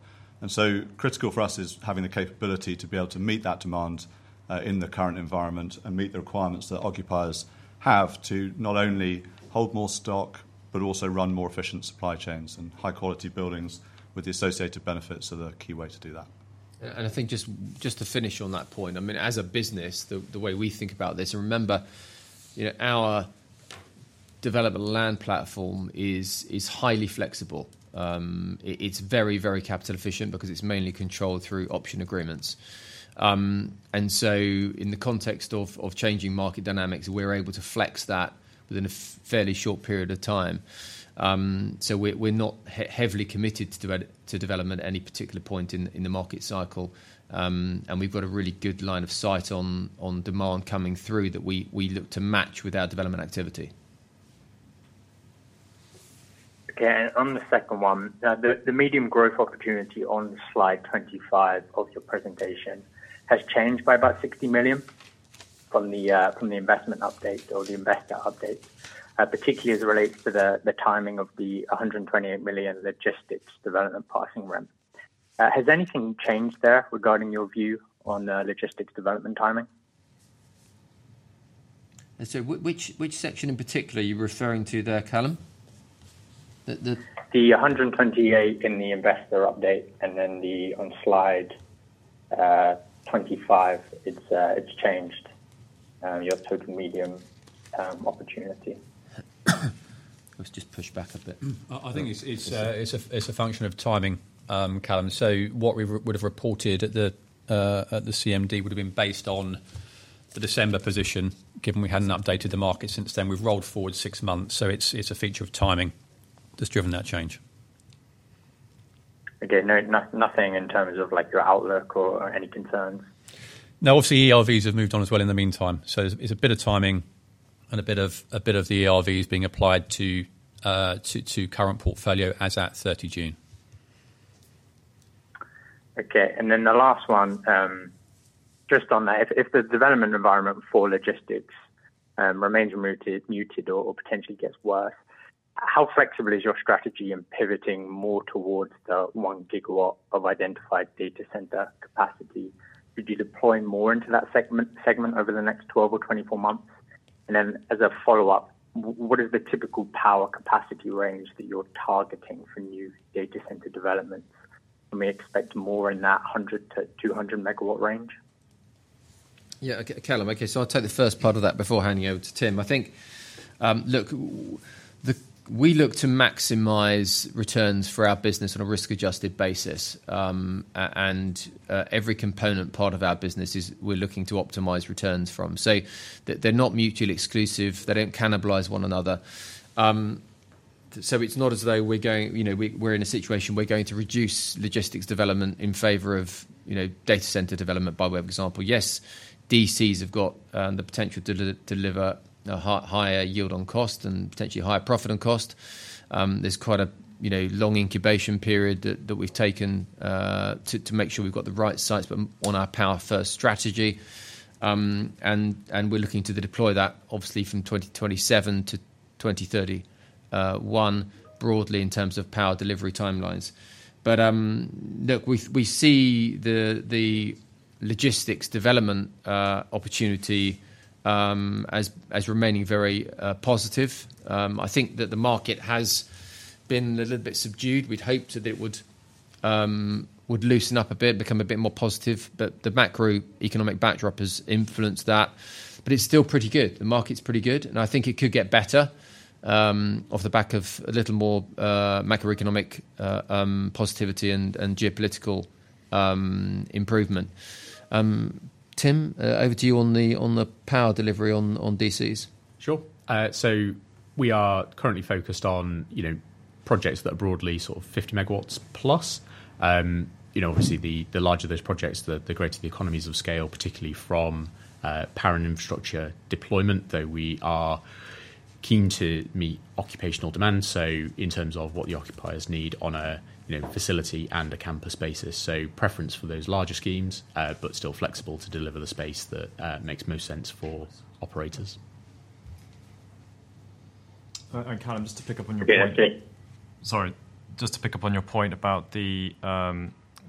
S6: Critical for us is having the capability to be able to meet that demand in the current environment and meet the requirements that occupiers have to not only hold more stock, but also run more efficient supply chains and high-quality buildings with the associated benefits. The key way to do that.
S2: I think just to finish on that point, I mean, as a business, the way we think about this, and remember, you know, our development land platform is highly flexible. It's very, very capital-efficient because it's mainly controlled through option agreements. In the context of changing market dynamics, we're able to flex that within a fairly short period of time. We're not heavily committed to development at any particular point in the market cycle, and we've got a really good line of sight on demand coming through that we look to match with our development activity.
S9: Okay, on the second one, the medium growth opportunity on slide 25 of your presentation has changed by about 60 million from the investor update, particularly as it relates to the timing of the 128 million logistics development passing rent. Has anything changed there regarding your view on the logistics development timing?
S2: Which section in particular are you referring to there, Callum?
S9: The 128 in the investor update, and then on slide 25, it's changed your total medium opportunity.
S2: Let's just push back a bit.
S8: I think it's a function of timing, Callum. What we would have reported at the CMD would have been based on the December position, given we hadn't updated the market since then. We've rolled forward six months, and it's a feature of timing that's driven that change.
S9: Okay, nothing in terms of your outlook or any concern?
S8: No, obviously ERVs have moved on as well in the meantime. It's a bit of timing and a bit of the ERVs being applied to current portfolio as at 30th June.
S9: Okay, and then the last one, just on that, if the development environment for logistics remains muted or potentially gets worse, how flexible is your strategy in pivoting more towards the one gigawatt of identified data center capacity? Would you deploy more into that segment over the next 12 or 24 months? As a follow-up, what is the typical power capacity range that you're targeting for new data center developments? Can we expect more in that 100 MW-200 MW range?
S2: Yeah, okay, Callum, okay, so I'll take the first part of that before handing over to Tim. I think, look, we look to maximize returns for our business on a risk-adjusted basis. Every component part of our business is we're looking to optimize returns from. They're not mutually exclusive. They don't cannibalize one another. It's not as though we're going, you know, we're in a situation we're going to reduce logistics development in favor of, you know, data center development by web example. Yes, DCs have got the potential to deliver a higher yield on cost and potentially higher profit on cost. There's quite a, you know, long incubation period that we've taken to make sure we've got the right sites on our power-first strategy. We're looking to deploy that obviously from 2027 to 2031, broadly in terms of power delivery timelines. We see the logistics development opportunity as remaining very positive. I think that the market has been a little bit subdued. We'd hoped that it would loosen up a bit, become a bit more positive, but the macroeconomic backdrop has influenced that. It's still pretty good. The market's pretty good, and I think it could get better off the back of a little more macroeconomic positivity and geopolitical improvement. Tim, over to you on the power delivery on DCs.
S8: We are currently focused on projects that are broadly sort of 50+ MW. Obviously, the larger those projects, the greater the economies of scale, particularly from power and infrastructure deployment, though we are keen to meet occupational demand. In terms of what the occupiers need on a facility and a campus basis, there is a preference for those larger schemes, but still flexibility to deliver the space that makes most sense for operators.
S6: Callum, just to pick up on your point about the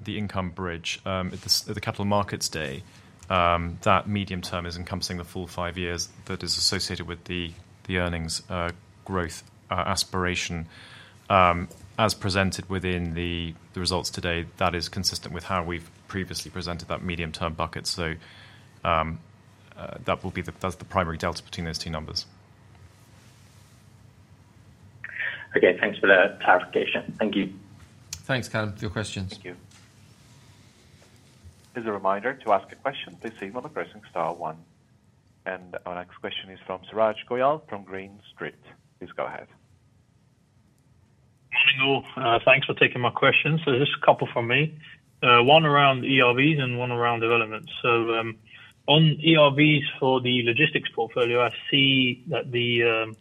S6: income bridge at the Capital Markets Day, that medium term is encompassing the full five years that is associated with the earnings growth aspiration. As presented within the results today, that is consistent with how we've previously presented that medium term bucket. That will be the primary delta between those two numbers.
S9: Okay, thanks for the clarification. Thank you.
S2: Thanks, Callum, for your questions.
S6: Thank you.
S4: As a reminder, to ask a question, please see star and then one. Our next question is from Suraj Goyal from Green Street. Please go ahead.
S10: Thanks for taking my questions. Just a couple for me. One around ERVs and one around development. On ERVs for the logistics portfolio, I see that the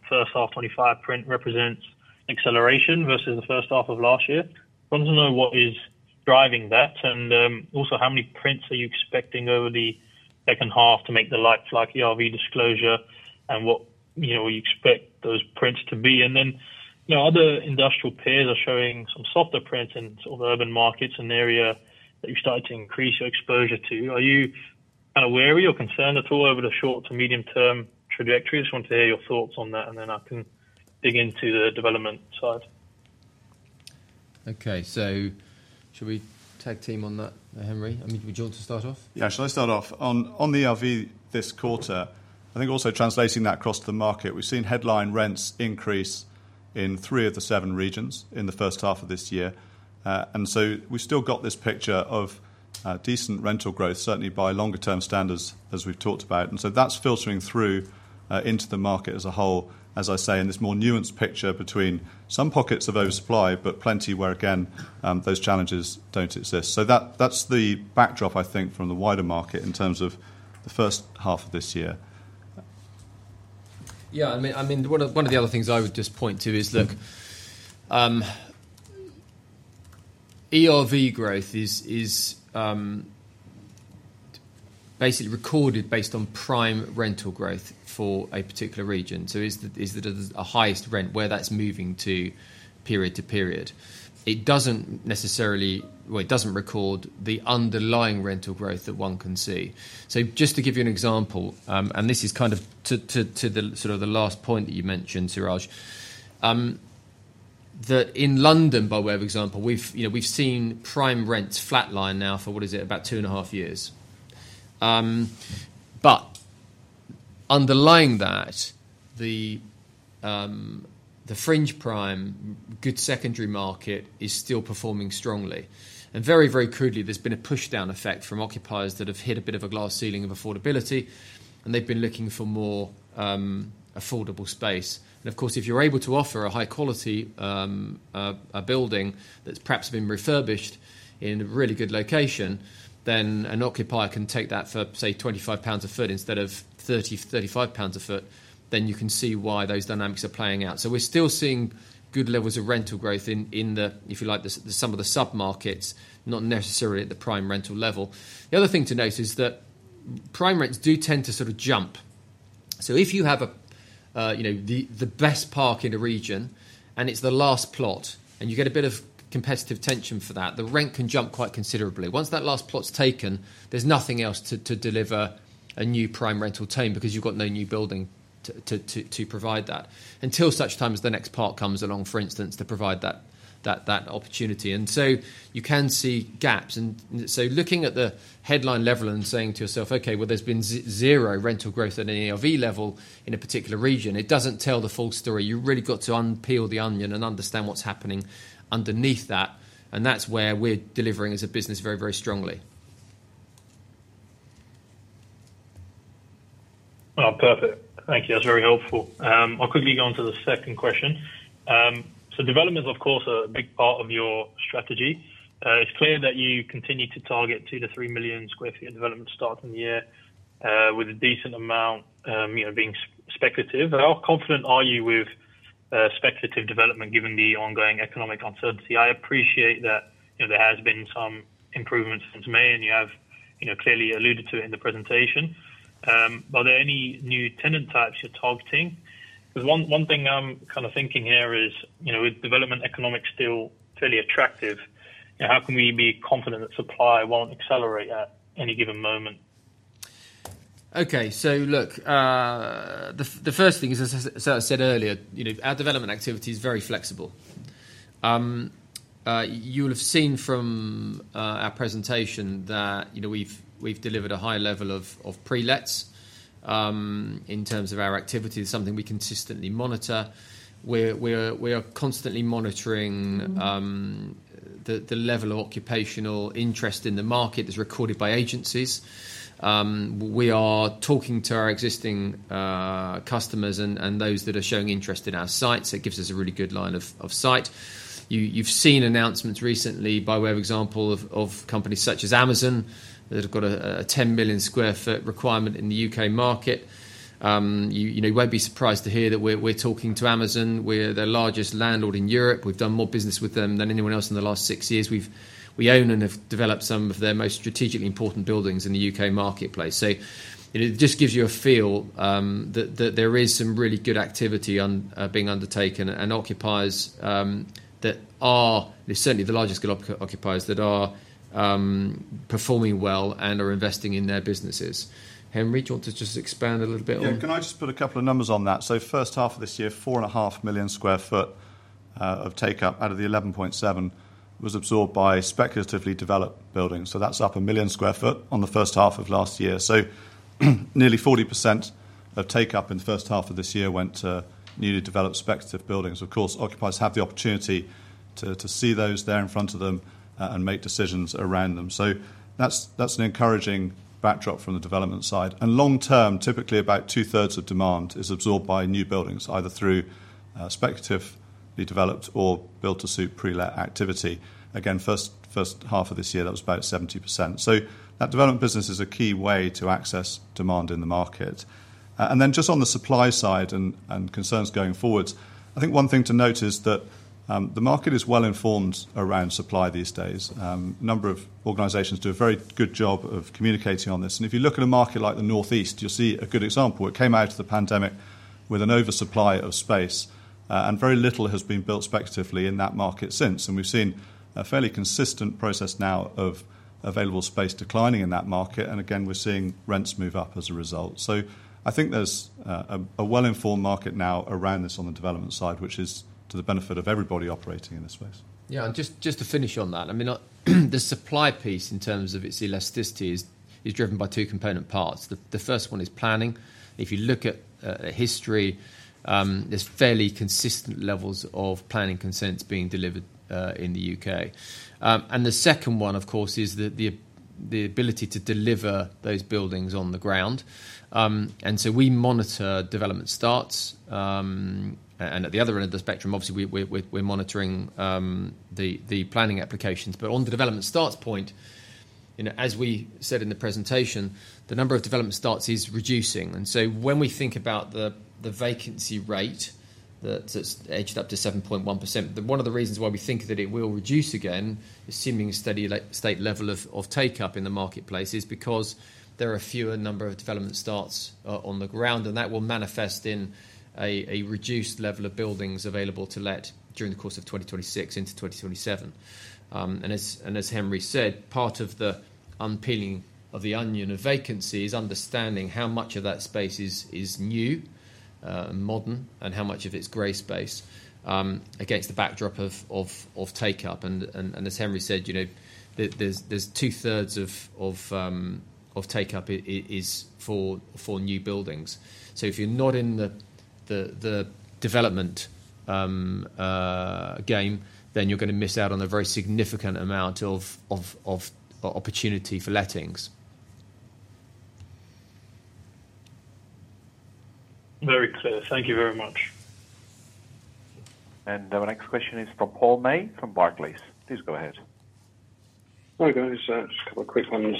S10: first half 2025 print represents acceleration versus the first half of last year. I want to know what is driving that and also how many prints are you expecting over the second half to make the like-for-like ERV disclosure and what you expect those prints to be. Other industrial peers are showing some softer prints in sort of urban markets, an area that you've started to increase your exposure to. Are you aware of or concerned at all over the short to medium term trajectory? I just want to hear your thoughts on that and then I can dig into the development side.
S2: Okay, shall we tag team on that, Henry? Do we want to start off?
S6: Shall I start off? On the ERV this quarter, I think also translating that across the market, we've seen headline rents increase in three of the seven regions in the first half of this year. We've still got this picture of decent rental growth, certainly by longer term standards as we've talked about. That's filtering through into the market as a whole, as I say, in this more nuanced picture between some pockets of oversupply, but plenty where again those challenges don't exist. That's the backdrop, I think, from the wider market in terms of the first half of this year.
S2: Yeah, I mean, one of the other things I would just point to is, look, ERV growth is basically recorded based on prime rental growth for a particular region. Is it a highest rent where that's moving to period to period? It doesn't necessarily, it doesn't record the underlying rental growth that one can see. Just to give you an example, and this is kind of to the sort of the last point that you mentioned, Suraj, that in London, by way of example, we've seen prime rents flatline now for, what is it, about two and a half years. Underlying that, the fringe prime, good secondary market is still performing strongly. Very, very crudely, there's been a push-down effect from occupiers that have hit a bit of a glass ceiling of affordability, and they've been looking for more affordable space. Of course, if you're able to offer a high-quality building that's perhaps been refurbished in a really good location, then an occupier can take that for, say, 25 pounds a foot instead of 30, 35 pounds a foot. You can see why those dynamics are playing out. We're still seeing good levels of rental growth in, if you like, some of the submarkets, not necessarily at the prime rental level. The other thing to note is that prime rents do tend to sort of jump. If you have the best park in a region and it's the last plot and you get a bit of competitive tension for that, the rent can jump quite considerably. Once that last plot's taken, there's nothing else to deliver a new prime rental team because you've got no new building to provide that until such time as the next park comes along, for instance, to provide that opportunity. You can see gaps. Looking at the headline level and saying to yourself, okay, there's been zero rental growth at an ERV level in a particular region, it doesn't tell the full story. You've really got to unpeel the onion and understand what's happening underneath that. That's where we're delivering as a business very, very strongly.
S10: Thank you. That's very helpful. I'll quickly go on to the second question. Developments, of course, are a big part of your strategy. It's clear that you continue to target 2 million sq ft-3 million sq ft of development to start in the year with a decent amount being speculative. How confident are you with speculative development given the ongoing economic uncertainty? I appreciate that there has been some improvements since May, and you have clearly alluded to it in the presentation. Are there any new tenant types you're targeting? One thing I'm kind of thinking here is, you know, with development economics still fairly attractive, how can we be confident that supply won't accelerate at any given moment?
S2: Okay, the first thing is, as I said earlier, our development activity is very flexible. You'll have seen from our presentation that we've delivered a high level of pre-lets in terms of our activities, something we consistently monitor. We are constantly monitoring the level of occupational interest in the market that's recorded by agencies. We are talking to our existing customers and those that are showing interest in our sites. It gives us a really good line of sight. You've seen announcements recently by way of example of companies such as Amazon that have got a 10 million square foot requirement in the U.K. market. You won't be surprised to hear that we're talking to Amazon. We're their largest landlord in Europe. We've done more business with them than anyone else in the last six years. We own and have developed some of their most strategically important buildings in the U.K. marketplace. It just gives you a feel that there is some really good activity being undertaken and occupiers that are, there's certainly the largest occupiers that are performing well and are investing in their businesses. Henry, do you want to just expand a little bit on?
S6: Yeah, can I just put a couple of numbers on that? First half of this year, 4.5 million sq ft of take-up out of the 11.7 was absorbed by speculatively developed buildings. That's up a million square foot on the first half of last year. Nearly 40% of take-up in the first half of this year went to newly developed speculative buildings. Of course, occupiers have the opportunity to see those there in front of them and make decisions around them. That's an encouraging backdrop from the development side. Long term, typically about two-thirds of demand is absorbed by new buildings, either through speculatively developed or built to suit pre-let activity. First half of this year, that was about 70%. That development business is a key way to access demand in the market. On the supply side and concerns going forwards, one thing to note is that the market is well informed around supply these days. A number of organizations do a very good job of communicating on this. If you look at a market like the Northeast, you'll see a good example. It came out of the pandemic with an oversupply of space, and very little has been built speculatively in that market since. We've seen a fairly consistent process now of available space declining in that market. We're seeing rents move up as a result. I think there's a well-informed market now around this on the development side, which is to the benefit of everybody operating in this space.
S2: Yeah, and just to finish on that, the supply piece in terms of its elasticity is driven by two component parts. The first one is planning. If you look at history, there's fairly consistent levels of planning consents being delivered in the U.K. The second one, of course, is the ability to deliver those buildings on the ground. We monitor development starts. At the other end of the spectrum, obviously, we're monitoring the planning applications. On the development starts point, as we said in the presentation, the number of development starts is reducing. When we think about the vacancy rate that's edged up to 7.1%, one of the reasons why we think that it will reduce again, assuming a steady state level of take-up in the marketplace, is because there are a fewer number of development starts on the ground. That will manifest in a reduced level of buildings available to let during the course of 2026 into 2027. As Henry said, part of the unpeeling of the onion of vacancy is understanding how much of that space is new, modern, and how much of it's gray space against the backdrop of take-up. As Henry said, there's two-thirds of take-up is for new buildings. If you're not in the development game, then you're going to miss out on a very significant amount of opportunity for lettings.
S10: Very clear. Thank you very much.
S4: Our next question is from Paul May from Barclays. Please go ahead.
S11: Hi guys, just a couple of quick ones.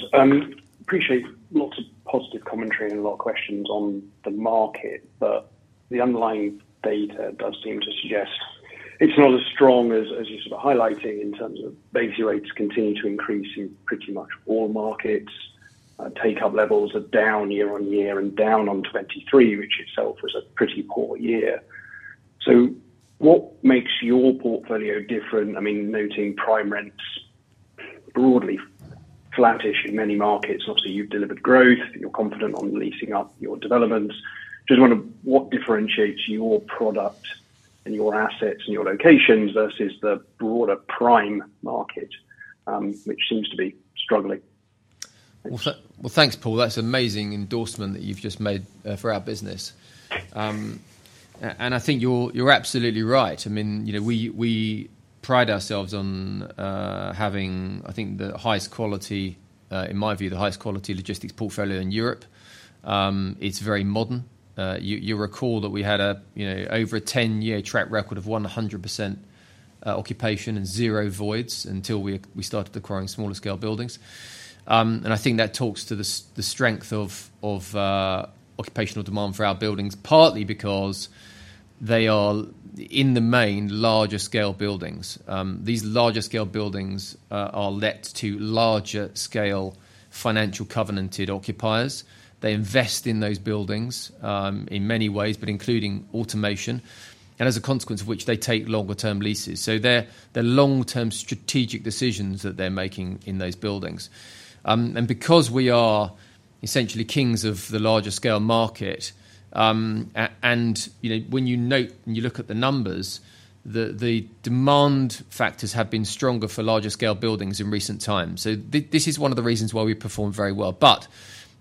S11: Appreciate lots of positive commentary and a lot of questions on the market, but the underlying data does seem to suggest it's not as strong as you're sort of highlighting in terms of basic rates continue to increase in pretty much all markets. Take-up levels are down year on year and down on 2023, which itself was a pretty poor year. What makes your portfolio different? I mean, noting prime rents broadly flat-ish in many markets. Obviously, you've delivered growth. You're confident on leasing up your developments. I just wonder what differentiates your product and your assets and your locations versus the broader prime market, which seems to be.
S2: Thanks, Paul. That's amazing endorsement that you've just made for our business. I think you're absolutely right. I mean, you know, we pride ourselves on having, I think, the highest quality, in my view, the highest quality logistics portfolio in Europe. It's very modern. You'll recall that we had an over 10-year track record of 100% occupation and zero voids until we started acquiring smaller scale buildings. I think that talks to the strength of occupational demand for our buildings, partly because they are, in the main, larger scale buildings. These larger scale buildings are let to larger scale financial covenanted occupiers. They invest in those buildings in many ways, including automation, and as a consequence of which they take longer term leases. They're long-term strategic decisions that they're making in those buildings. Because we are essentially kings of the larger scale market, you know, when you look at the numbers, the demand factors have been stronger for larger scale buildings in recentx. This is one of the reasons why we perform very well.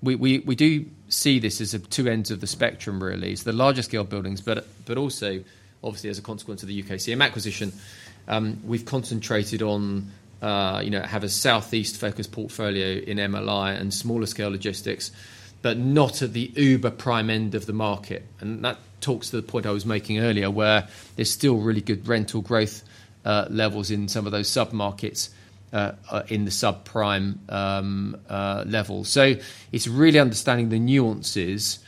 S2: We do see this as two ends of the spectrum. The Largest scale buildings, but also obviously as a consequence of the UKCM Logistics acquisition, we've concentrated on, you know, have a Southeast-focused portfolio in MLI and smaller scale logistics, but not at the uber prime end of the market. That talks to the point I was making earlier where there's still really good rental growth levels in some of those submarkets in the subprime level. It's really understanding the nuances,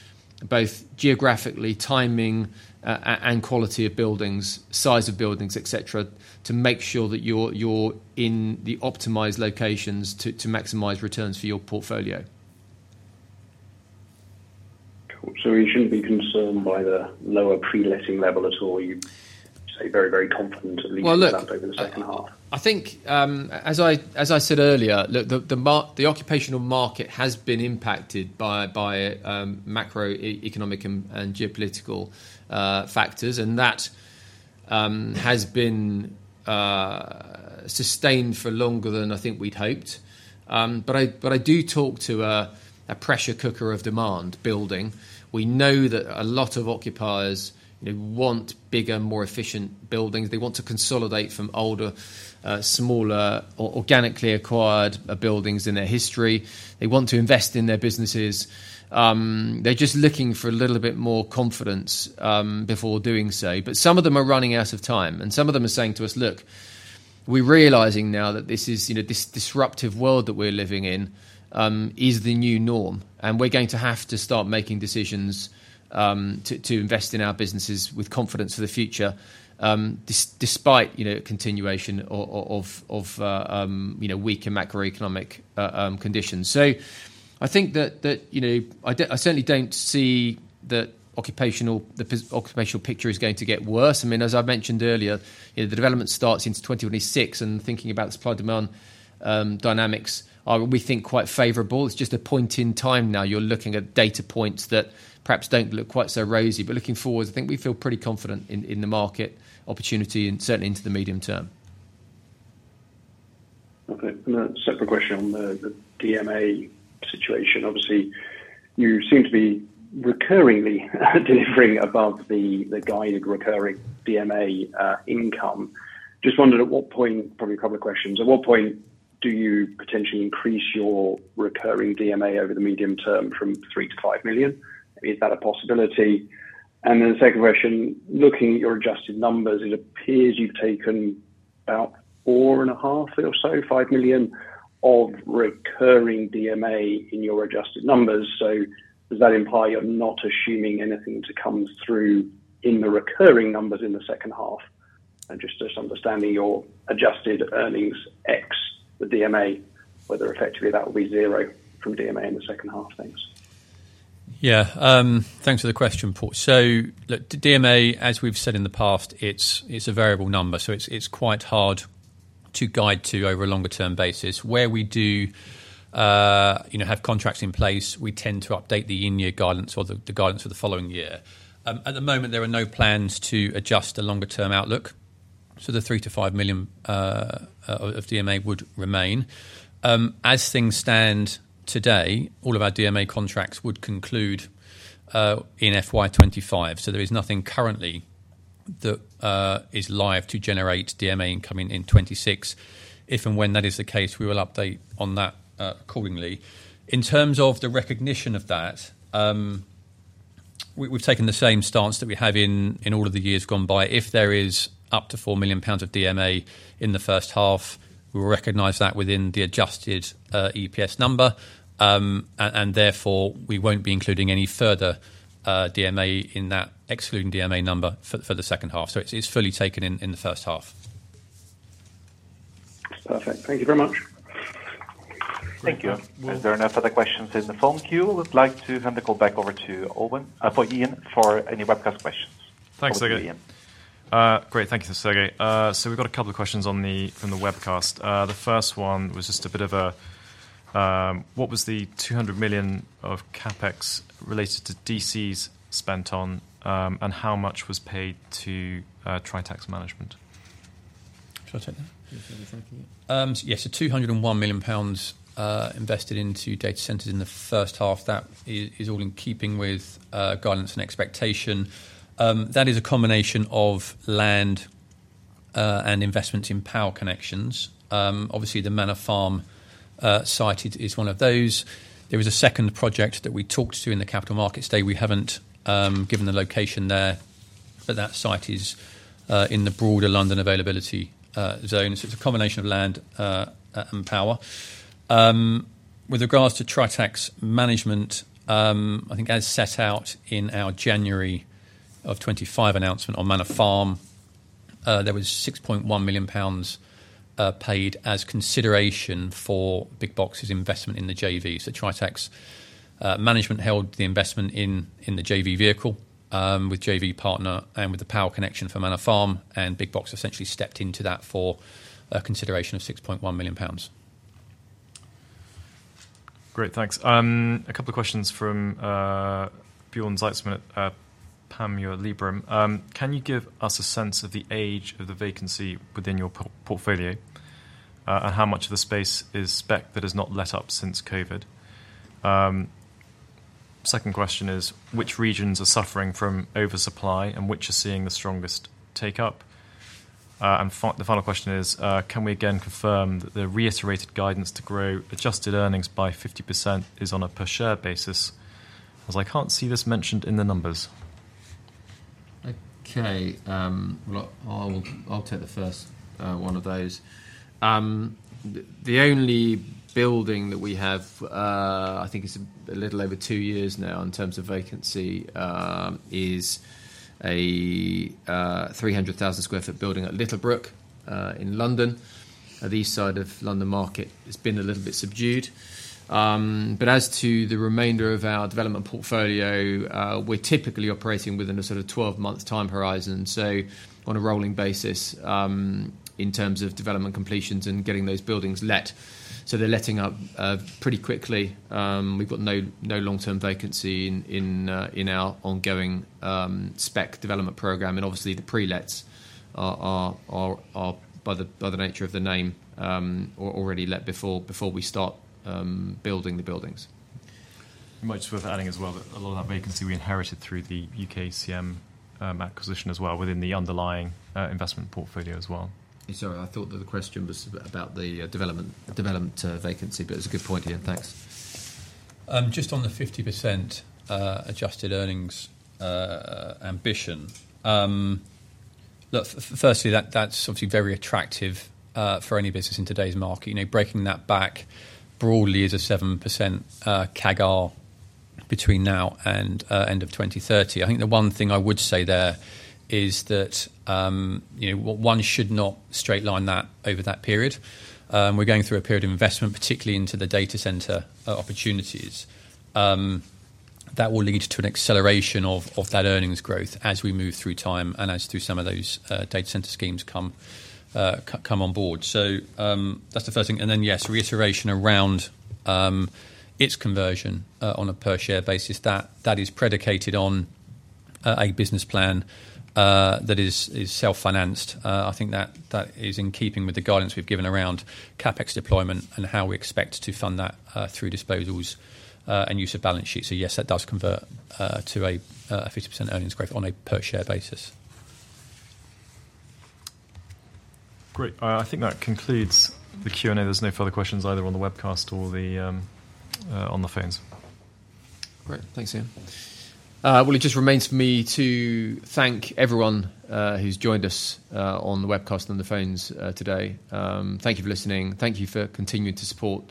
S2: both geographically, timing, and quality of buildings, size of buildings, etc., to make sure that you're in the optimized locations to maximize returns for your portfolio.
S11: You shouldn't be concerned by the lower pre-letting level at all. You'd be very, very confident that you'd be at that over the second half.
S2: I think, as I said earlier, the occupational market has been impacted by macroeconomic and geopolitical factors, and that has been sustained for longer than I think we'd hoped. I do talk to a pressure cooker of demand building. We know that a lot of occupiers want bigger, more efficient buildings. They want to consolidate from older, smaller, organically acquired buildings in their history. They want to invest in their businesses. They're just looking for a little bit more confidence before doing so. Some of them are running out of time, and some of them are saying to us, "Look, we're realizing now that this disruptive world that we're living in is the new norm, and we're going to have to start making decisions to invest in our businesses with confidence for the future despite continuation of weaker macroeconomic conditions." I think that I certainly don't see that the occupational picture is going to get worse. As I mentioned earlier, the development starts in 2026, and thinking about the supply-demand dynamics, we think quite favorable. It's just a point in time now. You're looking at data points that perhaps don't look quite so rosy, but looking forward, I think we feel pretty confident in the market opportunity and certainly into the medium term.
S11: Okay. A separate question on the DMA situation. Obviously, you seem to be recurringly delivering above the guided recurring DMA income. I just wondered at what point, probably a couple of questions, at what point do you potentially increase your recurring DMA over the medium term from 3 million-5 million? Is that a possibility? The second question, looking at your adjusted numbers, it appears you've taken about 4.5 million or so, 5 million of recurring DMA in your adjusted numbers. Does that imply you're not assuming anything to come through in the recurring numbers in the second half? Just understanding your adjusted earnings ex for DMA, whether effectively that will be zero from DMA in the second half, thanks.
S8: Yeah, thanks for the question, Paul. DMA, as we've said in the past, is a variable number. It's quite hard to guide to over a longer-term basis. Where we do have contracts in place, we tend to update the year-to-year guidance or the guidance for the following year. At the moment, there are no plans to adjust the longer-term outlook. The 3 million-5 million of DMA would remain. As things stand today, all of our DMA contracts would conclude in FY 2025. There is nothing currently that is live to generate DMA income in 2026. If and when that is the case, we will update on that accordingly. In terms of the recognition of that, we've taken the same stance that we have in all of the years gone by. If there is up to 4 million pounds of DMA in the first half, we will recognize that within the adjusted EPS number, and therefore, we won't be including any further DMA in that excluding DMA number for the second half. It's fully taken in the first half.
S11: Perfect. Thank you very much.
S4: Thank you. If there are no further questions in the phone queue, I would like to hand the call back over to Ian for any webcast questions.
S1: Thanks, Sergey. Great. Thank you, Sergey. We've got a couple of questions from the webcast. The first one was just a bit of a, what was the 200 million of CapEx related to DCs spent on, and how much was paid to Tritax Management?
S2: Sure, take it.
S3: Yeah, so 201 million pounds invested into data centers in the first half. That is all in keeping with guidance and expectation. That is a combination of land and investments in power connections. Obviously, the Manor Farm site is one of those. There was a second project that we talked to in the Capital Markets Day. We haven't given the location there, but that site is in the broader London availability zone. It's a combination of land and power. With regards to Tritax Management, I think as set out in our January 2025 announcement on Manor Farm, there was 6.1 million pounds paid as consideration for Big Box's investment in the JV. Tritax Management held the investment in the JV vehicle with JV Partner and with the power connection for Manor Farm, and Big Box essentially stepped into that for a consideration of 6.1 million pounds.
S1: Great, thanks. A couple of questions from Bjorn Hobart. Pam, you're Librem. Can you give us a sense of the age of the vacancy within your portfolio and how much of the space is specced that has not let up since COVID? Second question is, which regions are suffering from oversupply and which are seeing the strongest take-up? The final question is, can we again confirm that the reiterated guidance to grow adjusted earnings by 50% is on a per-share basis? As I can't see this mentioned in the numbers.
S2: I'll take the first one of those. The only building that we have, I think it's a little over two years now in terms of vacancy, is a 300,000 sq ft building at Littlebrook in London. The east side of the London market has been a little bit subdued. As to the remainder of our development portfolio, we're typically operating within a sort of 12 months time horizon on a rolling basis, in terms of development completions and getting those buildings let. They're letting up pretty quickly. We've got no long-term vacancy in our ongoing spec development program. Obviously, the pre-lets are, by the nature of the name, already let before we start building the buildings.
S3: Much worth adding as well that a lot of that vacancy we inherited through the UKCM acquisition as well within the underlying investment portfolio as well.
S2: Sorry, I thought that the question was about the development vacancy, but it's a good point, Ian. Thanks.
S3: Just on the 50% adjusted earnings ambition, firstly, that's obviously very attractive for any business in today's market. You know, breaking that back broadly is a 7% CAGR between now and end of 2030. I think the one thing I would say there is that one should not straight line that over that period. We're going through a period of investment, particularly into the data center opportunities. That will lead to an acceleration of that earnings growth as we move through time and as some of those data center schemes come on board. That's the first thing. Yes, reiteration around its conversion on a per-share basis. That is predicated on a business plan that is self-financed. I think that is in keeping with the guidance we've given around CapEx deployment and how we expect to fund that through disposals and use of balance sheets. Yes, that does convert to a 50% earnings growth on a per-share basis.
S1: Great. I think that concludes the Q&A. There's no further questions either on the webcast or on the phones.
S2: Great. Thanks, Ian. It just remains for me to thank everyone who's joined us on the webcast and the phones today. Thank you for listening. Thank you for continuing to support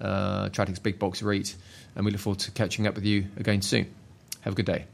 S2: Tritax Big Box REIT. We look forward to catching up with you again soon. Have a good day.